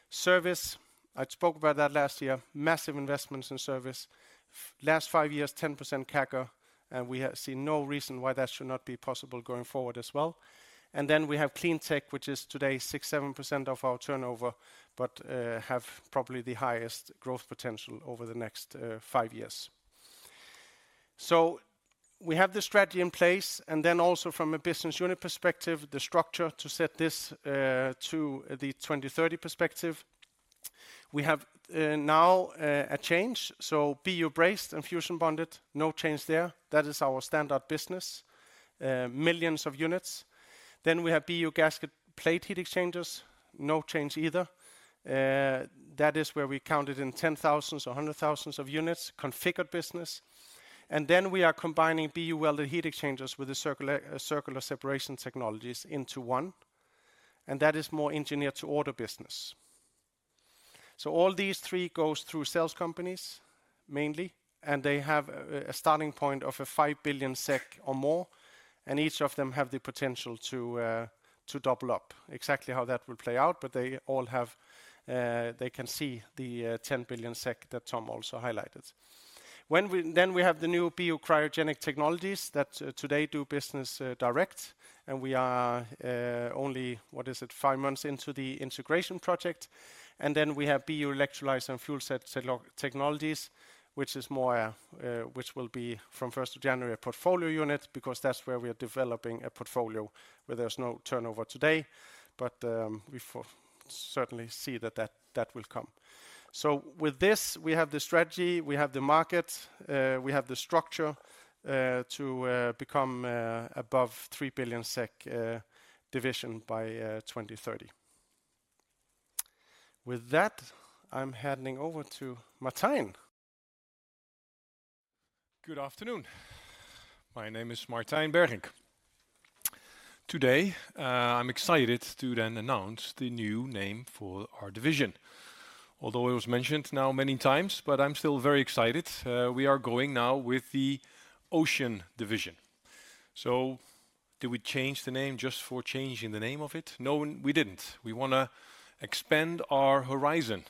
Speaker 3: Service, I spoke about that last year, massive investments in service. Last five years, 10% [CAC], and we see no reason why that should not be possible going forward as well. And then we have clean tech, which is today 6, 7% of our turnover, but, have probably the highest growth potential over the next, five years. So we have the strategy in place and then also from a business unit perspective, the structure to set this, to the 2030 perspective. We have, now, a change. So BU braced and fusion bonded, no change there. That is our standard business, millions of units. Then we have BU gasket plate heat exchangers, no change either. that is where we counted in 10,000s or hundred thousands of units configured business. And then we are combining BU welded heat exchangers with the circular, circular separation technologies into one. And that is more engineered to order business. So all these three go through sales companies mainly, and they have a starting point of a 5 billion SEK or more. And each of them have the potential to, to double up exactly how that will play out. But they all have, they can see the, 10 billion SEK that Tom also highlighted. When we, then we have the new BU cryogenic technologies that today do business direct, and we are, only, what is it, five months into the integration project. And then we have BU electrolyze and fuel set technologies, which is more, which will be from first of January a portfolio unit because that's where we are developing a portfolio where there's no turnover today. But, we certainly see that that, that will come. So with this, we have the strategy, we have the market, we have the structure, to, become, above 3 billion SEK, division by, 2030. With that, I'm handing over to Martijn.
Speaker 5: Good afternoon. My name is Martijn Bergink. Today, I'm excited to then announce the new name for our division. Although it was mentioned now many times, but I'm still very excited. we are going now with the Ocean Division. So did we change the name just for changing the name of it? No, we didn't. We wanna expand our horizon.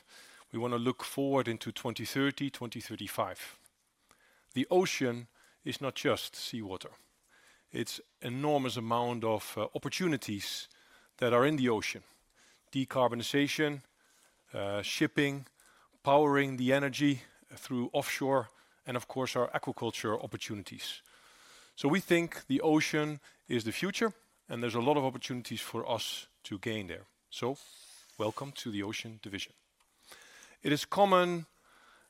Speaker 5: We wanna look forward into 2030, 2035. The ocean is not just seawater. It's an enormous amount of opportunities that are in the ocean, decarbonization, shipping, powering the energy through offshore, and of course our aquaculture opportunities. So we think the ocean is the future and there's a lot of opportunities for us to gain there. So welcome to the Ocean Division. It is common,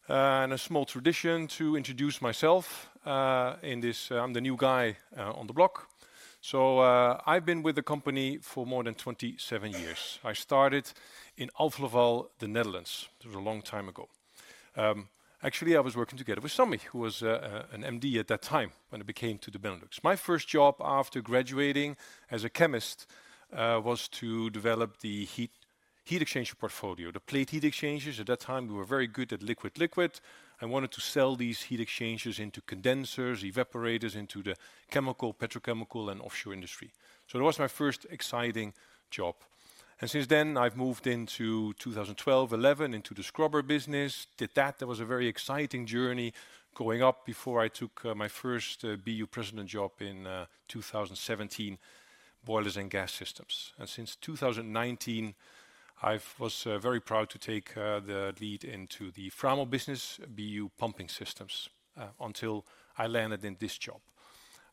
Speaker 5: and a small tradition to introduce myself. In this, I'm the new guy on the block. So I've been with the company for more than 27 years. I in Alfa Laval, the Netherlands. It was a long time ago. Actually I was working together with Sammy, who was an MD at that time when it became to the Benelux. My first job after graduating as a chemist was to develop the heat exchanger portfolio, the plate heat exchangers. At that time, we were very good at liquid-liquid. I wanted to sell these heat exchangers into condensers, evaporators into the chemical, petrochemical, and offshore industry. So that was my first exciting job. And since then I've moved into 2012, 11 into the scrubber business, did that. That was a very exciting journey going up before I took my first BU president job in, 2017, boilers and gas systems. And since 2019, I was very proud to take, the lead into the Framo business, BU pumping systems, until I landed in this job.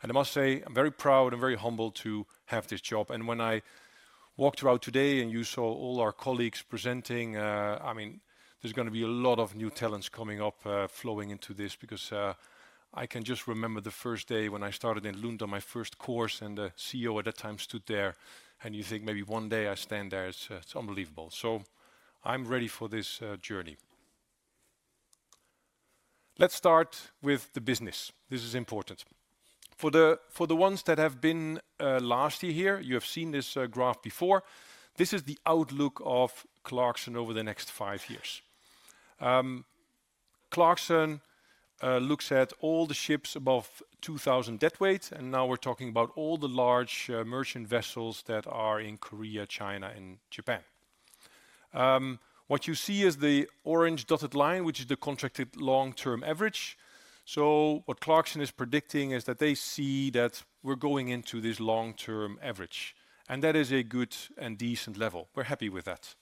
Speaker 5: And I must say I'm very proud and very humbled to have this job. When I walked around today and you saw all our colleagues presenting, I mean, there's gonna be a lot of new talents coming up, flowing into this because, I can just remember the first day when I started in Lund on my first course and the CEO at that time stood there and you think maybe one day I stand there, it's, it's unbelievable. I'm ready for this journey. Let's start with the business. This is important for the ones that have been last year here. You have seen this graph before. This is the outlook of Clarkson over the next five years. Clarkson looks at all the ships above 2,000 dead weight. Now we're talking about all the large merchant vessels that are in Korea, China, and Japan. What you see is the orange dotted line, which is the contracted long-term average. So what Clarkson is predicting is that they see that we're going into this long-term average and that is a good and decent level. We're happy with that.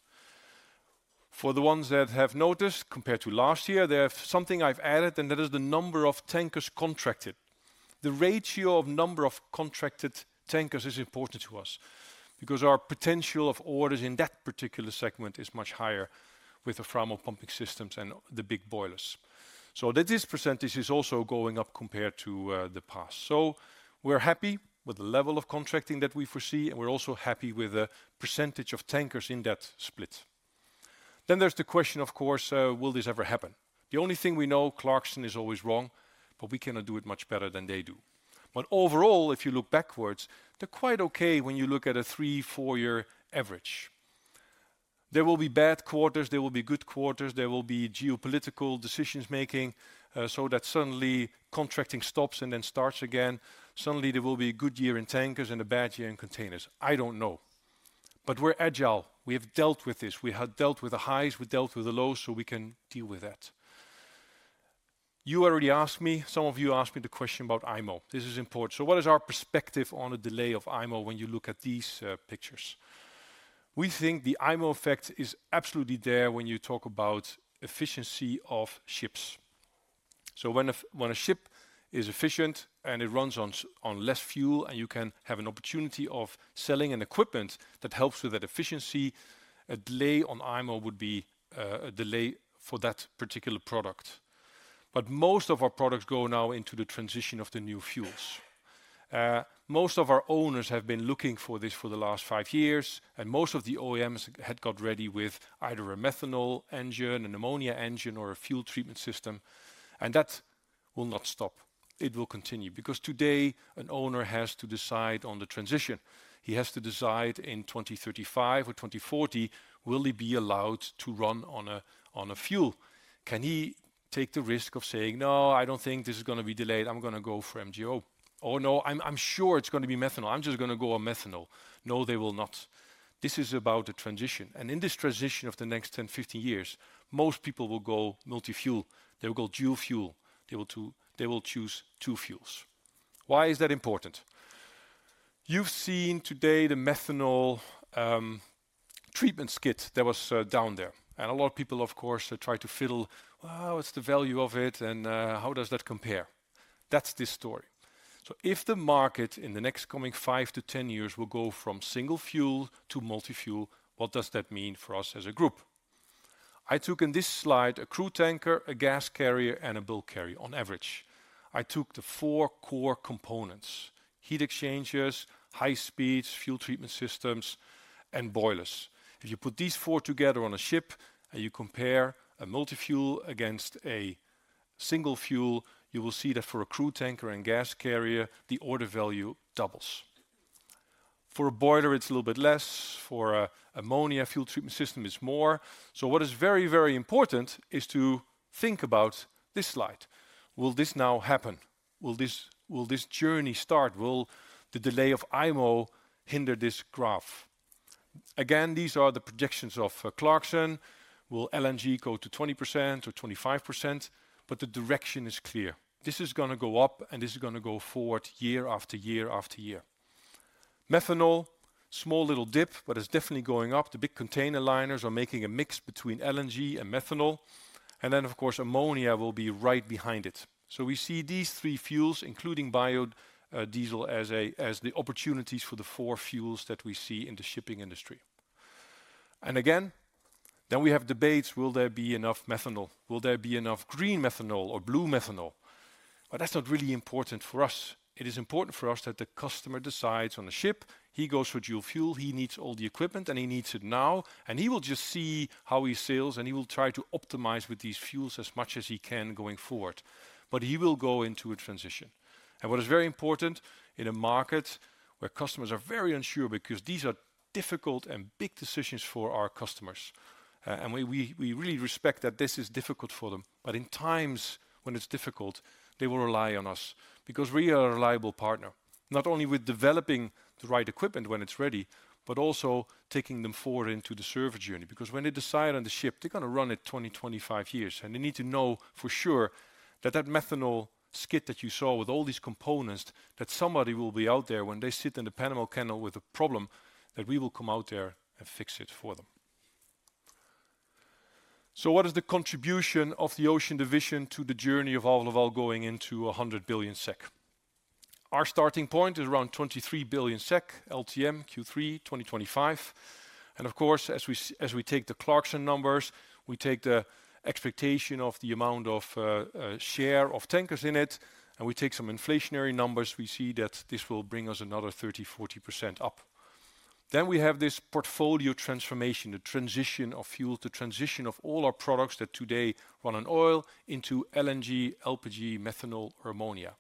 Speaker 5: For the ones that have noticed compared to last year, there's something I've added and that is the number of tankers contracted. The ratio of number of contracted tankers is important to us because our potential of orders in that particular segment is much higher with the Framo pumping systems and the big boilers. So that this percentage is also going up compared to, the past. So we're happy with the level of contracting that we foresee and we're also happy with the percentage of tankers in that split. Then there's the question, of course, will this ever happen? The only thing we know, Clarkson is always wrong, but we cannot do it much better than they do. But overall, if you look backwards, they're quite okay when you look at a three, four-year average. There will be bad quarters, there will be good quarters, there will be geopolitical decisions making, so that suddenly contracting stops and then starts again. Suddenly there will be a good year in tankers and a bad year in containers. I don't know, but we're agile. We have dealt with this. We have dealt with the highs, we dealt with the lows, so we can deal with that. You already asked me, some of you asked me the question about IMO. This is important. So what is our perspective on a delay of IMO when you look at these, pictures? We think the IMO effect is absolutely there when you talk about efficiency of ships. So when a, when a ship is efficient and it runs on, on less fuel and you can have an opportunity of selling an equipment that helps with that efficiency, a delay on IMO would be a delay for that particular product. But most of our products go now into the transition of the new fuels. most of our owners have been looking for this for the last five years and most of the OEMs had got ready with either a methanol engine, an ammonia engine, or a fuel treatment system. And that will not stop. It will continue because today an owner has to decide on the transition. He has to decide in 2035 or 2040, will he be allowed to run on a, on a fuel? Can he take the risk of saying, no, I don't think this is gonna be delayed. I'm gonna go for MGO or no, I'm, I'm sure it's gonna be methanol. I'm just gonna go on methanol. No, they will not. This is about the transition. And in this transition of the next 10, 15 years, most people will go multi-fuel, they will go dual fuel, they will do, they will choose two fuels. Why is that important? You've seen today the methanol, treatment kit that was, down there. And a lot of people, of course, try to fiddle, wow, what's the value of it? And, how does that compare? That's this story. So if the market in the next coming five to 10 years will go from single fuel to multi-fuel, what does that mean for us as a group? I took in this slide a crew tanker, a gas carrier, and a bill carrier on average. I took the four core components: heat exchangers, high speeds, fuel treatment systems, and boilers. If you put these four together on a ship and you compare a multi-fuel against a single fuel, you will see that for a crew tanker and gas carrier, the order value doubles. For a boiler, it's a little bit less. For a, a ammonia fuel treatment system, it's more. So what is very, very important is to think about this slide. Will this now happen? Will this, will this journey start? Will the delay of IMO hinder this graph? Again, these are the projections of, Clarkson. Will LNG go to 20% or 25%? But the direction is clear. This is gonna go up and this is gonna go forward year after year after year. Methanol, small little dip, but it's definitely going up. The big container liners are making a mix between LNG and methanol. And then, of course, ammonia will be right behind it. So we see these three fuels, including biodiesel as a, as the opportunities for the four fuels that we see in the shipping industry. And again, then we have debates. Will there be enough methanol? Will there be enough green methanol or blue methanol? But that's not really important for us. It is important for us that the customer decides on a ship, he goes for dual fuel, he needs all the equipment and he needs it now. And he will just see how he sales and he will try to optimize with these fuels as much as he can going forward. But he will go into a transition. And what is very important in a market where customers are very unsure because these are difficult and big decisions for our customers. and we, we, we really respect that this is difficult for them. But in times when it's difficult, they will rely on us because we are a reliable partner, not only with developing the right equipment when it's ready, but also taking them forward into the service journey. Because when they decide on the ship, they're gonna run it 20, 25 years. And they need to know for sure that that methanol's kit that you saw with all these components, that somebody will be out there when they sit in the Panama Canal with a problem that we will come out there and fix it for them. So what is the contribution of the Ocean Division to the journey of all of all going into a hundred billion SEK? Our starting point is around 23 billion SEK LTM Q3 2025. And of course, as we, as we take the Clarkson numbers, we take the expectation of the amount of, share of tankers in it. And we take some inflationary numbers. We see that this will bring us another 30, 40% up. Then we have this portfolio transformation, the transition of fuel, the transition of all our products that today run on oil into LNG, LPG, methanol, or ammonia.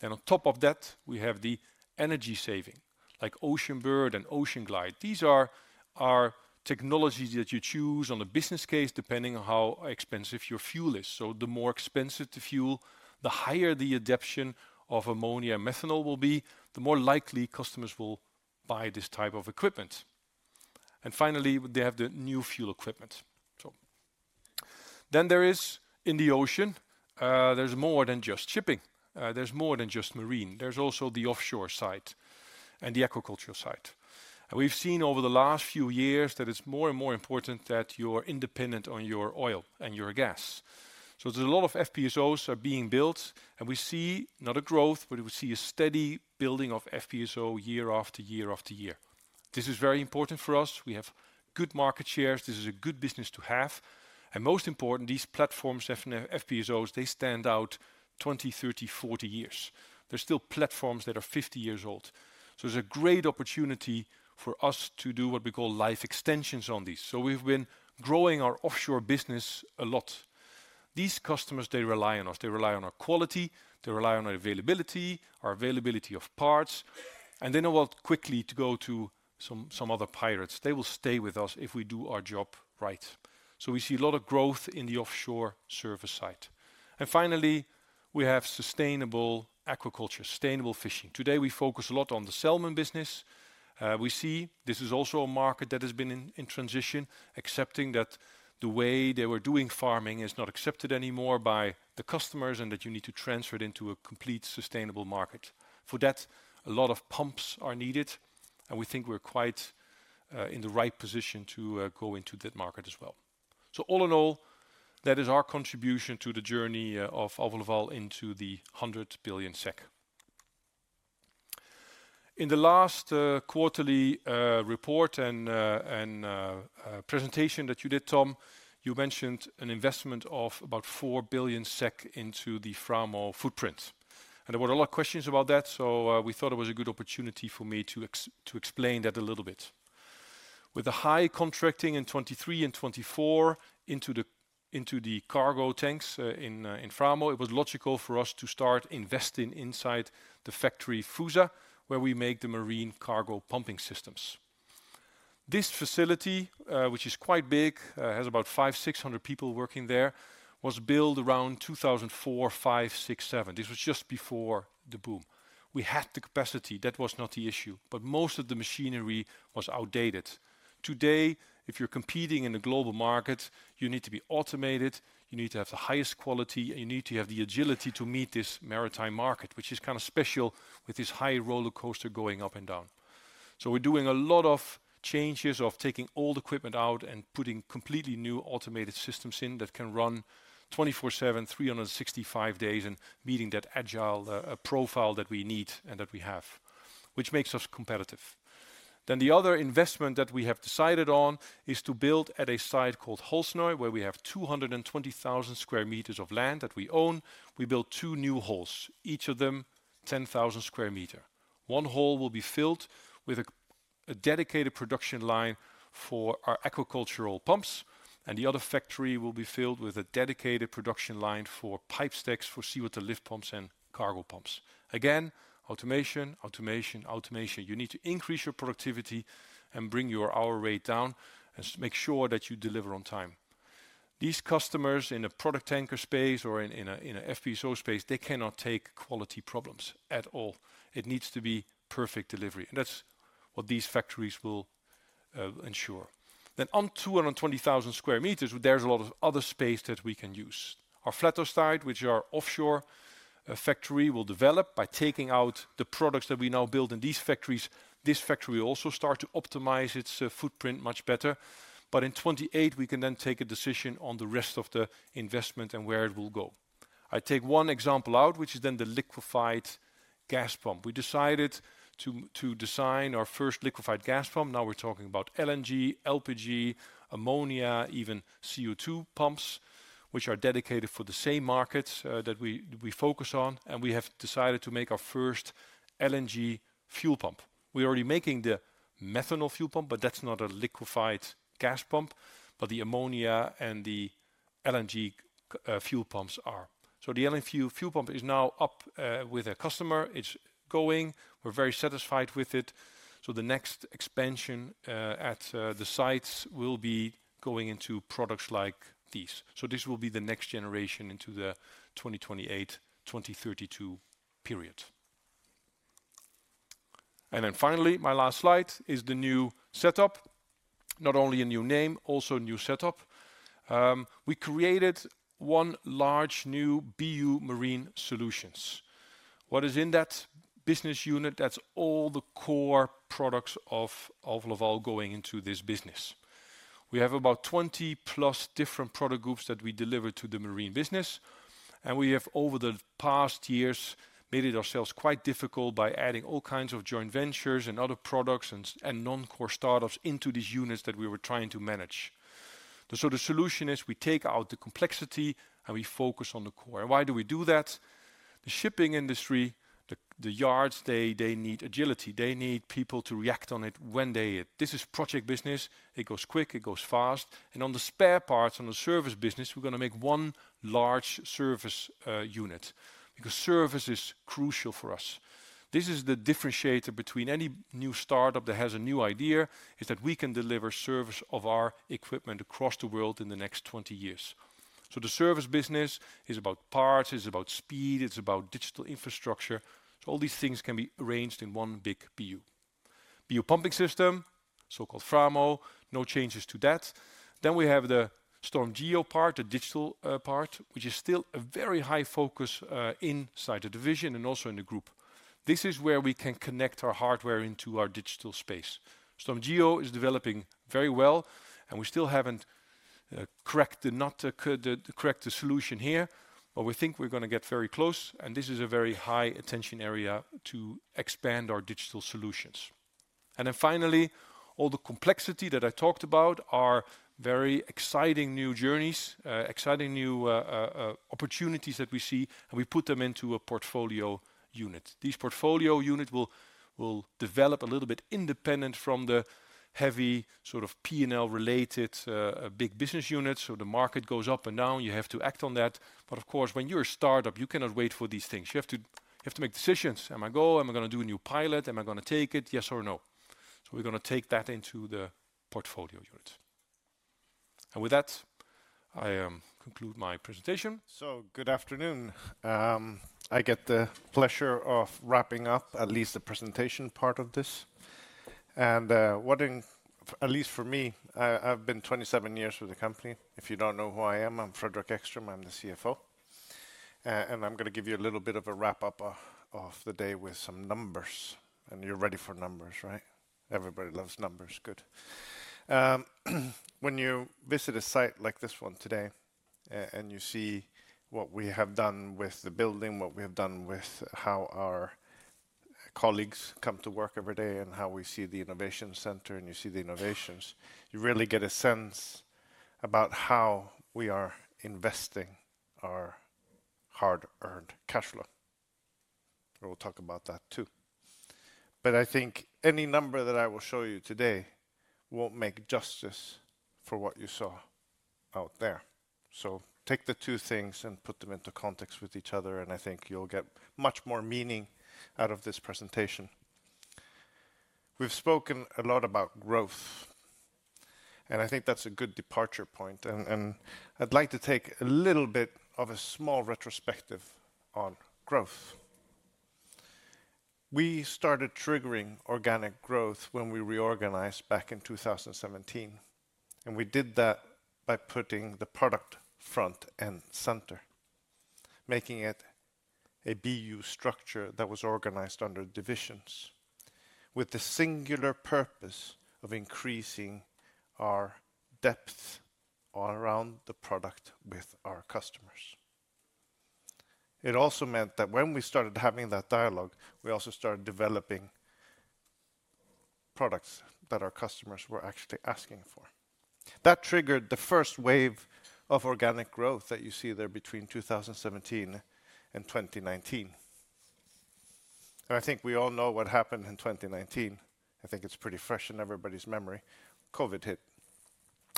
Speaker 5: Then on top of that, we have the energy saving like Oceanbird and OceanGlide. These are our technologies that you choose on a business case, depending on how expensive your fuel is. The more expensive the fuel, the higher the adaption of ammonia and methanol will be, the more likely customers will buy this type of equipment. Finally, they have the new fuel equipment. There is in the ocean, there's more than just shipping. There's more than just marine. There's also the offshore side and the aquaculture side. We've seen over the last few years that it's more and more important that you are independent on your oil and your gas. There are a lot of FPSOs being built and we see not a growth, but we see a steady building of FPSO year after year after year. This is very important for us. We have good market shares. This is a good business to have. Most important, these platforms have FPSOs, they stand out 20, 30, 40 years. There's still platforms that are 50 years old. So there's a great opportunity for us to do what we call life extensions on these. So we've been growing our offshore business a lot. These customers, they rely on us. They rely on our quality, they rely on our availability, our availability of parts. And then I will quickly go to some, some other pirates. They will stay with us if we do our job right. So we see a lot of growth in the offshore service side. And finally, we have sustainable aquaculture, sustainable fishing. Today we focus a lot on the salmon business. we see this is also a market that has been in, in transition, accepting that the way they were doing farming is not accepted anymore by the customers and that you need to transfer it into a complete sustainable market. For that, a lot of pumps are needed. And we think we're quite, in the right position to, go into that market as well. So all in all, that is our contribution to the journey Alfa Laval into the hundred billion sec. In the last, quarterly, report and, and, presentation that you did, Tom, you mentioned an investment of about 4 billion SEK into the Framo footprint. And there were a lot of questions about that. So, we thought it was a good opportunity for me to, to explain that a little bit. With the high contracting in '23 and '24 into the, into the cargo tanks, in, in Framo, it was logical for us to start investing inside the factory Fusa, where we make the marine cargo pumping systems. This facility, which is quite big, has about five, 600 people working there, was built around 2004, 2005, 2006, 2007. This was just before the boom. We had the capacity. That was not the issue, but most of the machinery was outdated. Today, if you're competing in the global market, you need to be automated, you need to have the highest quality, and you need to have the agility to meet this maritime market, which is kind of special with this high roller coaster going up and down. So we're doing a lot of changes of taking old equipment out and putting completely new automated systems in that can run 24/7, 365 days and meeting that agile, profile that we need and that we have, which makes us competitive. Then the other investment that we have decided on is to build at a site called Holsnøy, where we have 220,000 square meters of land that we own. We built two new halls, each of them 10,000 square meters. One hall will be filled with a, a dedicated production line for our aquacultural pumps, and the other factory will be filled with a dedicated production line for pipe stacks for seawater lift pumps and cargo pumps. Again, automation, automation, automation. You need to increase your productivity and bring your hour rate down and make sure that you deliver on time. These customers in a product tanker space or in, in a, in an FPSO space, they cannot take quality problems at all. It needs to be perfect delivery. And that's what these factories will, ensure. Then on 220,000 square meters, there's a lot of other space that we can use. Our flatter side, which is our offshore, factory, will develop by taking out the products that we now build in these factories. This factory will also start to optimize its footprint much better. But in 2028, we can then take a decision on the rest of the investment and where it will go. I take one example out, which is then the liquefied gas pump. We decided to, to design our first liquefied gas pump. Now we're talking about LNG, LPG, ammonia, even CO2 pumps, which are dedicated for the same markets, that we, we focus on. And we have decided to make our first LNG fuel pump. We are already making the methanol fuel pump, but that's not a liquefied gas pump, but the ammonia and the LNG, fuel pumps are. So the LNG fuel pump is now up, with a customer. It's going, we're very satisfied with it. So the next expansion, at, the sites will be going into products like these. So this will be the next generation into the 2028, 2032 period. And then finally, my last slide is the new setup, not only a new name, also a new setup. we created one large new BU Marine Solutions. What is in that business unit? That's all the core products Alfa Laval going into this business. We have about 20 plus different product groups that we deliver to the marine business. And we have, over the past years, made it ourselves quite difficult by adding all kinds of joint ventures and other products and, and non-core startups into these units that we were trying to manage. So the solution is we take out the complexity and we focus on the core. And why do we do that? The shipping industry, the, the yards, they, they need agility. They need people to react on it when they need it. This is project business. It goes quick, it goes fast. And on the spare parts, on the service business, we're gonna make one large service, unit because service is crucial for us. This is the differentiator between any new startup that has a new idea is that we can deliver service of our equipment across the world in the next 20 years. So the service business is about parts, it's about speed, it's about digital infrastructure. So all these things can be arranged in one big BU, BU pumping system, so-called Framo, no changes to that. Then we have the StormGeo part, the digital, part, which is still a very high focus, inside the division and also in the group. This is where we can connect our hardware into our digital space. StormGeo is developing very well and we stil haven't, correct the, not the, the correct the solution here, but we think we're gonna get very close. And this is a very high attention area to expand our digital solutions. And then finally, all the complexity that I talked about are very exciting new journeys, exciting new, opportunities that we see, and we put them into a portfolio unit. These portfolio units will, will develop a little bit independent from the heavy sort of P&L related, big business units. So the market goes up and down, you have to act on that. But of course, when you're a startup, you cannot wait for these things. You have to, you have to make decisions. Am I going, am I gonna do a new pilot? Am I gonna take it? Yes or no? So we're gonna take that into the portfolio units. And with that, I, conclude my presentation.
Speaker 6: So good afternoon. I get the pleasure of wrapping up at least the presentation part of this. And, what in, at least for me, I've been 27 years with the company. If you don't know who I am, I'm Fredrik Ekström. I'm the CFO. and I'm gonna give you a little bit of a wrap up of the day with some numbers. And you're ready for numbers, right? Everybody loves numbers. Good. when you visit a site like this one today, and you see what we have done with the building, what we have done with how our colleagues come to work every day, and how we see the innovation center and you see the innovations, you really get a sense about how we are investing our hard-earned cashflow. We'll talk about that too. But I think any number that I will show you today won't make justice for what you saw out there. So take the two things and put them into context with each other. And I think you'll get much more meaning out of this presentation. We've spoken a lot about growth, and I think that's a good departure point. And, and I'd like to take a little bit of a small retrospective on growth. We started triggering organic growth when we reorganized back in 2017. And we did that by putting the product front and center, making it a BU structure that was organized under divisions with the singular purpose of increasing our depth all around the product with our customers. It also meant that when we started having that dialogue, we also started developing products that our customers were actually asking for. That triggered the first wave of organic growth that you see there between 2017 and 2019. And I think we all know what happened in 2019. I think it's pretty fresh in everybody's memory. COVID hit.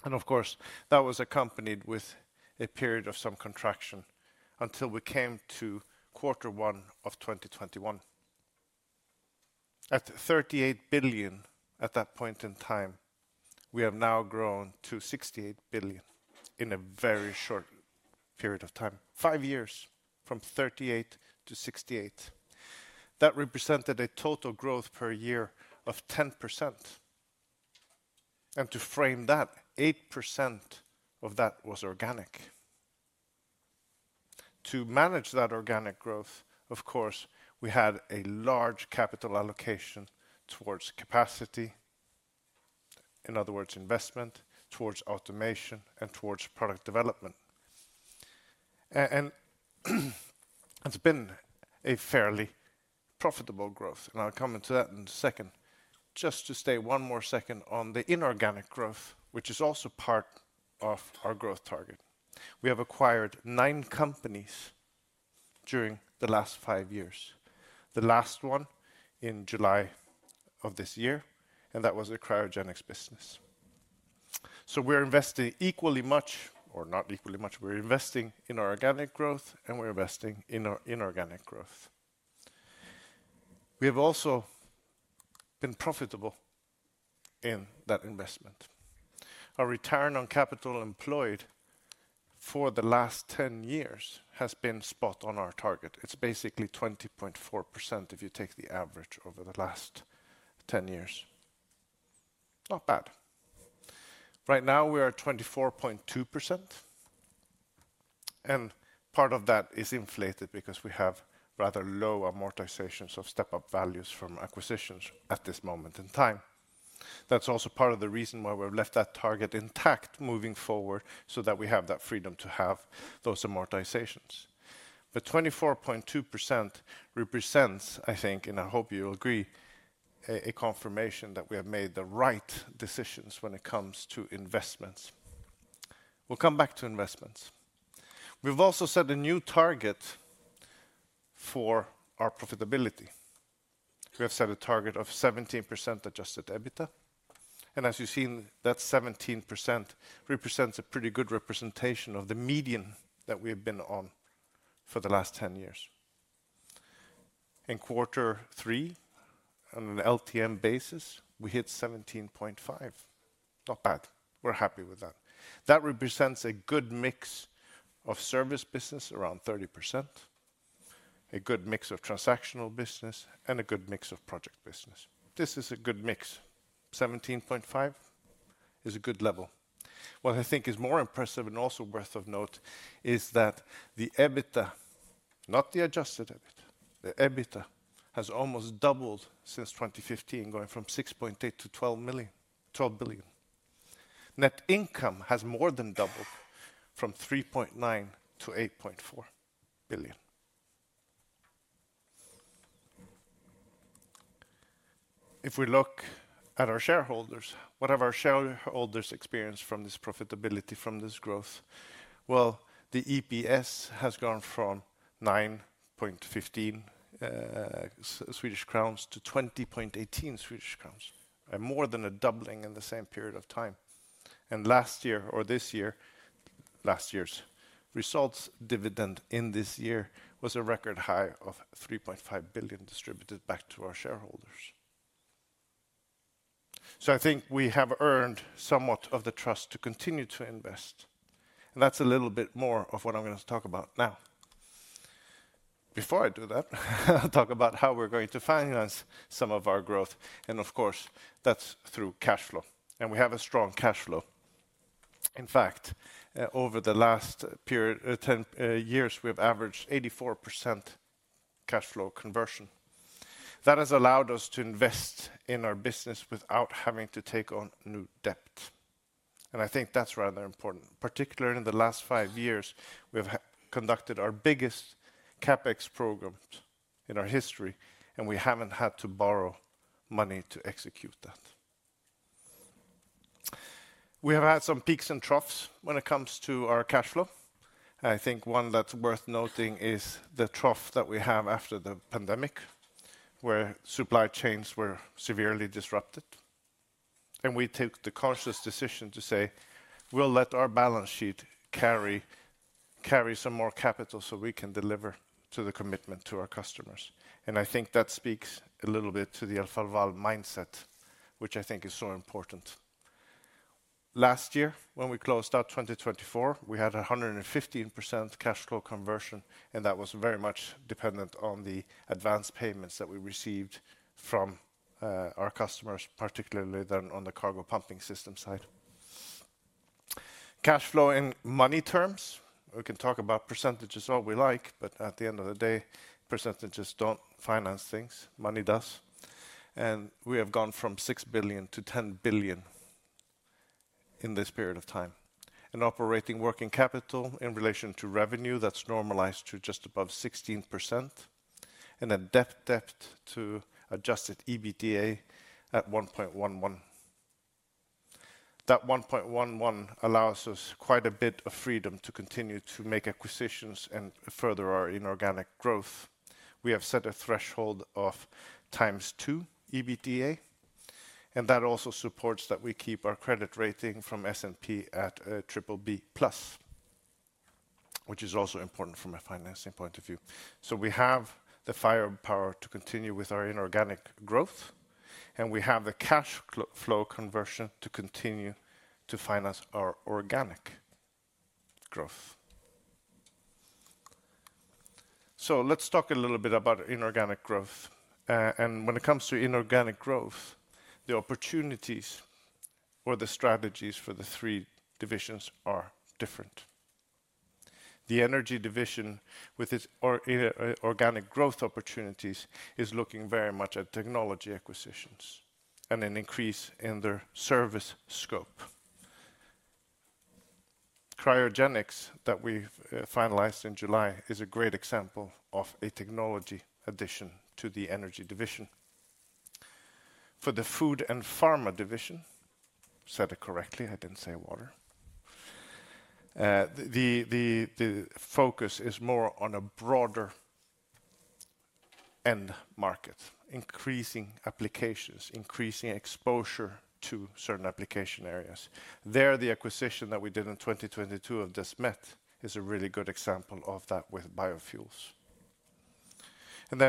Speaker 6: And of course, that was accompanied with a period of some contraction until we came to quarter one of 2021. At 38 billion at that point in time, we have now grown to 68 billion in a very short period of time, five years from 38 to 68. That represented a total growth per year of 10%. And to frame that, 8% of that was organic. To manage that organic growth, of course, we had a large capital allocation towards capacity, in other words, investment towards automation and towards product development. And, and it's been a fairly profitable growth. And I'll come into that in a second. Just to stay one more second on the inorganic growth, which is also part of our growth target. We have acquired nine companies during the last five years. The last one in July of this year, and that was a cryogenics business. So we're investing equally much, or not equally much, we're investing in our organic growth and we're investing in our inorganic growth. We have also been profitable in that investment. Our return on capital employed for the last 10 years has been spot on our target. It's basically 20.4% if you take the average over the last 10 years. Not bad. Right now we are at 24.2%. And part of that is inflated because we have rather low amortizations of step-up values from acquisitions at this moment in time. That's also part of the reason why we've left that target intact moving forward so that we have that freedom to have those amortizations. But 24.2% represents, I think, and I hope you'll agree, a confirmation that we have made the right decisions when it comes to investments. We'll come back to investments. We've also set a new target for our profitability. We have set a target of 17% adjusted EBITDA. And as you've seen, that 17% represents a pretty good representation of the median that we have been on for the last 10 years. In quarter three, on an LTM basis, we hit 17.5. Not bad. We're happy with that. That represents a good mix of service business, around 30%, a good mix of transactional business, and a good mix of project business. This is a good mix. 17.5 is a good level. What I think is more impressive and also worth of note is that the EBITDA, not the adjusted EBITDA, the EBITDA has almost doubled since 2015, going from 6.8 to 12 million, 12 billion. Net income has more than doubled from 3.9 to 8.4 billion. If we look at our shareholders, what have our shareholders experienced from this profitability, from this growth? The EPS has gone from 9.15 Swedish crowns to 20.18 Swedish crowns, and more than a doubling in the same period of time. Last year or this year, last year's results dividend in this year was a record high of 3.5 billion distributed back to our shareholders. I think we have earned somewhat of the trust to continue to invest. That is a little bit more of what I'm gonna talk about now. Before I do that, I'll talk about how we're going to finance some of our growth. Of course, that's through cashflow. We have a strong cashflow. In fact, over the last period, 10 years, we have averaged 84% cashflow conversion. That has allowed us to invest in our business without having to take on new debt. And I think that's rather important. Particularly in the last five years, we have conducted our biggest CapEx programs in our history, and we haven't had to borrow money to execute that. We have had some peaks and troughs when it comes to our cashflow. I think one that's worth noting is the trough that we have after the pandemic, where supply chains were severely disrupted. And we took the cautious decision to say, we'll let our balance sheet carry, carry some more capital so we can deliver to the commitment to our customers. And I think that speaks a little bit to Alfa Laval mindset, which I think is so important. Last year, when we closed out 2024, we had 115% cashflow conversion, and that was very much dependent on the advance payments that we received from, our customers, particularly then on the cargo pumping system side. Cashflow in money terms, we can talk about percentages all we like, but at the end of the day, percentages don't finance things. Money does. And we have gone from 6 billion to 10 billion in this period of time. And operating working capital in relation to revenue, that's normalized to just above 16%. And a debt depth to adjusted EBITDA at 1.11. That 1.11 allows us quite a bit of freedom to continue to make acquisitions and further our inorganic growth. We have set a threshold of times two EBITDA, and that also supports that we keep our credit rating from S&P at a triple B plus, which is also important from a financing point of view. So we have the firepower to continue with our inorganic growth, and we have the cash flow conversion to continue to finance our organic growth. So let's talk a little bit about inorganic growth. and when it comes to inorganic growth, the opportunities or the strategies for the three divisions are different. The energy division with its organic growth opportunities is looking very much at technology acquisitions and an increase in their service scope. Cryogenics that we've finalized in July is a great example of a technology addition to the energy division. For the Food and Pharma Division, said it correctly, I didn't say water. The focus is more on a broader end market, increasing applications, increasing exposure to certain application areas. There, the acquisition that we did in 2022 of Desmet is a really good example of that with biofuels.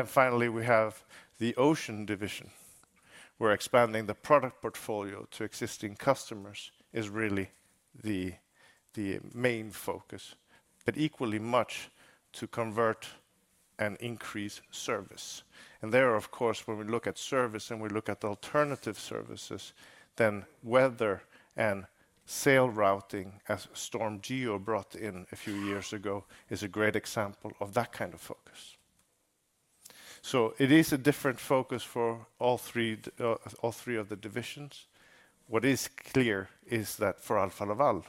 Speaker 6: Finally, we have the Ocean Division. We're expanding the product portfolio to existing customers is really the main focus, but equally much to convert and increase service. There, of course, when we look at service and we look at alternative services, then weather and sale routing as StormGeo brought in a few years ago is a great example of that kind of focus. It is a different focus for all three, all three of the divisions. What is clear is for Alfa Laval,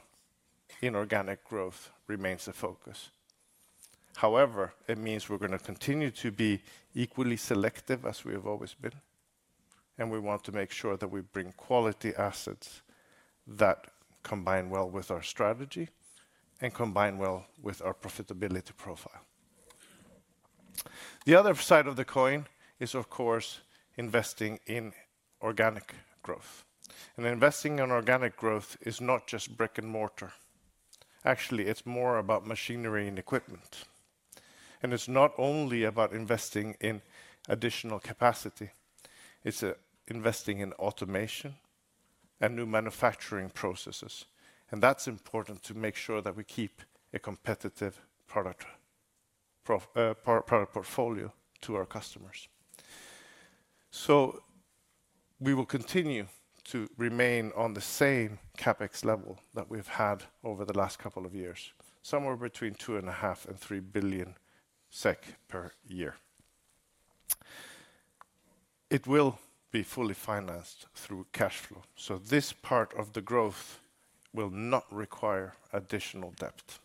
Speaker 6: inorganic growth remains a focus. However, it means we're gonna continue to be equally selective as we have always been. And we want to make sure that we bring quality assets that combine well with our strategy and combine well with our profitability profile. The other side of the coin is, of course, investing in organic growth. And investing in organic growth is not just brick and mortar. Actually, it's more about machinery and equipment. And it's not only about investing in additional capacity. It's investing in automation and new manufacturing processes. And that's important to make sure that we keep a competitive product portfolio to our customers. So we will continue to remain on the same CapEx level that we've had over the last couple of years, somewhere between SEK two-and-a-half and three-billion per year. It will be fully financed through cashflow. So this part of the growth will not require additional depth.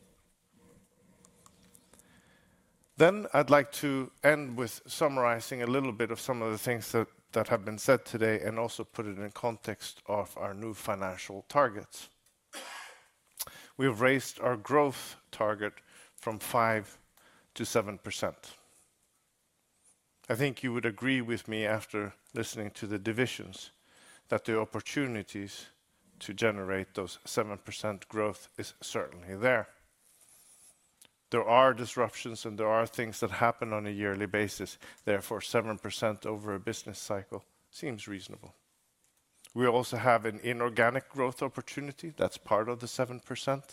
Speaker 6: Then I'd like to end with summarizing a little bit of some of the things that, that have been said today and also put it in context of our new financial targets. We have raised our growth target from 5% to 7%. I think you would agree with me after listening to the divisions that the opportunities to generate those 7% growth is certainly there. There are disruptions and there are things that happen on a yearly basis. Therefore, 7% over a business cycle seems reasonable. We also have an inorganic growth opportunity that's part of the 7%.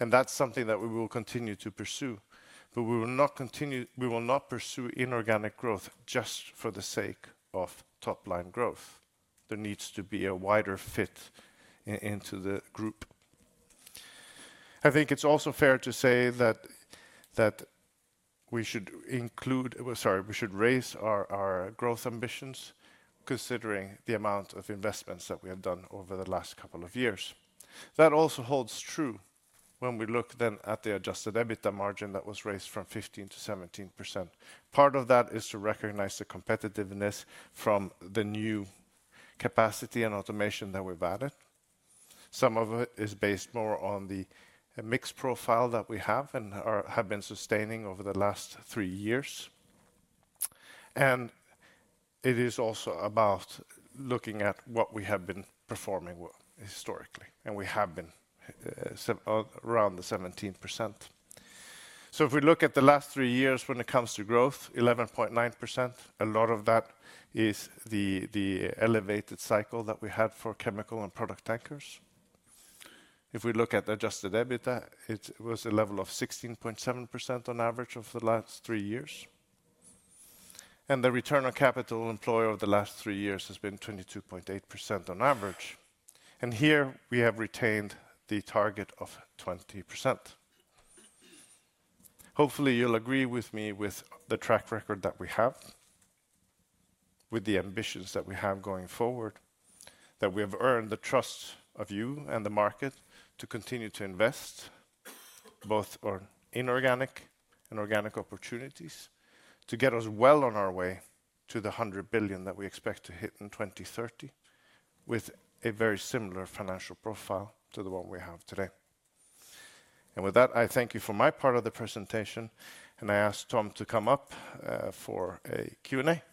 Speaker 6: And that's something that we will continue to pursue. But we will not continue, we will not pursue inorganic growth just for the sake of top-line growth. There needs to be a wider fit into the group. I think it's also fair to say that, that we should include, sorry, we should raise our, our growth ambitions considering the amount of investments that we have done over the last couple of years. That also holds true when we look then at the adjusted EBITDA margin that was raised from 15% to 17%. Part of that is to recognize the competitiveness from the new capacity and automation that we've added. Some of it is based more on the mix profile that we have and have been sustaining over the last three years. And it is also about looking at what we have been performing historically. And we have been around the 17%. So if we look at the last three years when it comes to growth, 11.9%, a lot of that is the, the elevated cycle that we had for chemical and product tankers. If we look at adjusted EBITDA, it was a level of 16.7% on average over the last three years. And the return on capital employed over the last three years has been 22.8% on average. And here we have retained the target of 20%. Hopefully, you'll agree with me with the track record that we have, with the ambitions that we have going forward, that we have earned the trust of you and the market to continue to invest both on inorganic and organic opportunities to get us well on our way to the 100 billion that we expect to hit in 2030 with a very similar financial profile to the one we have today. And with that, I thank you for my part of the presentation. And I asked Tom to come up, for a Q&A.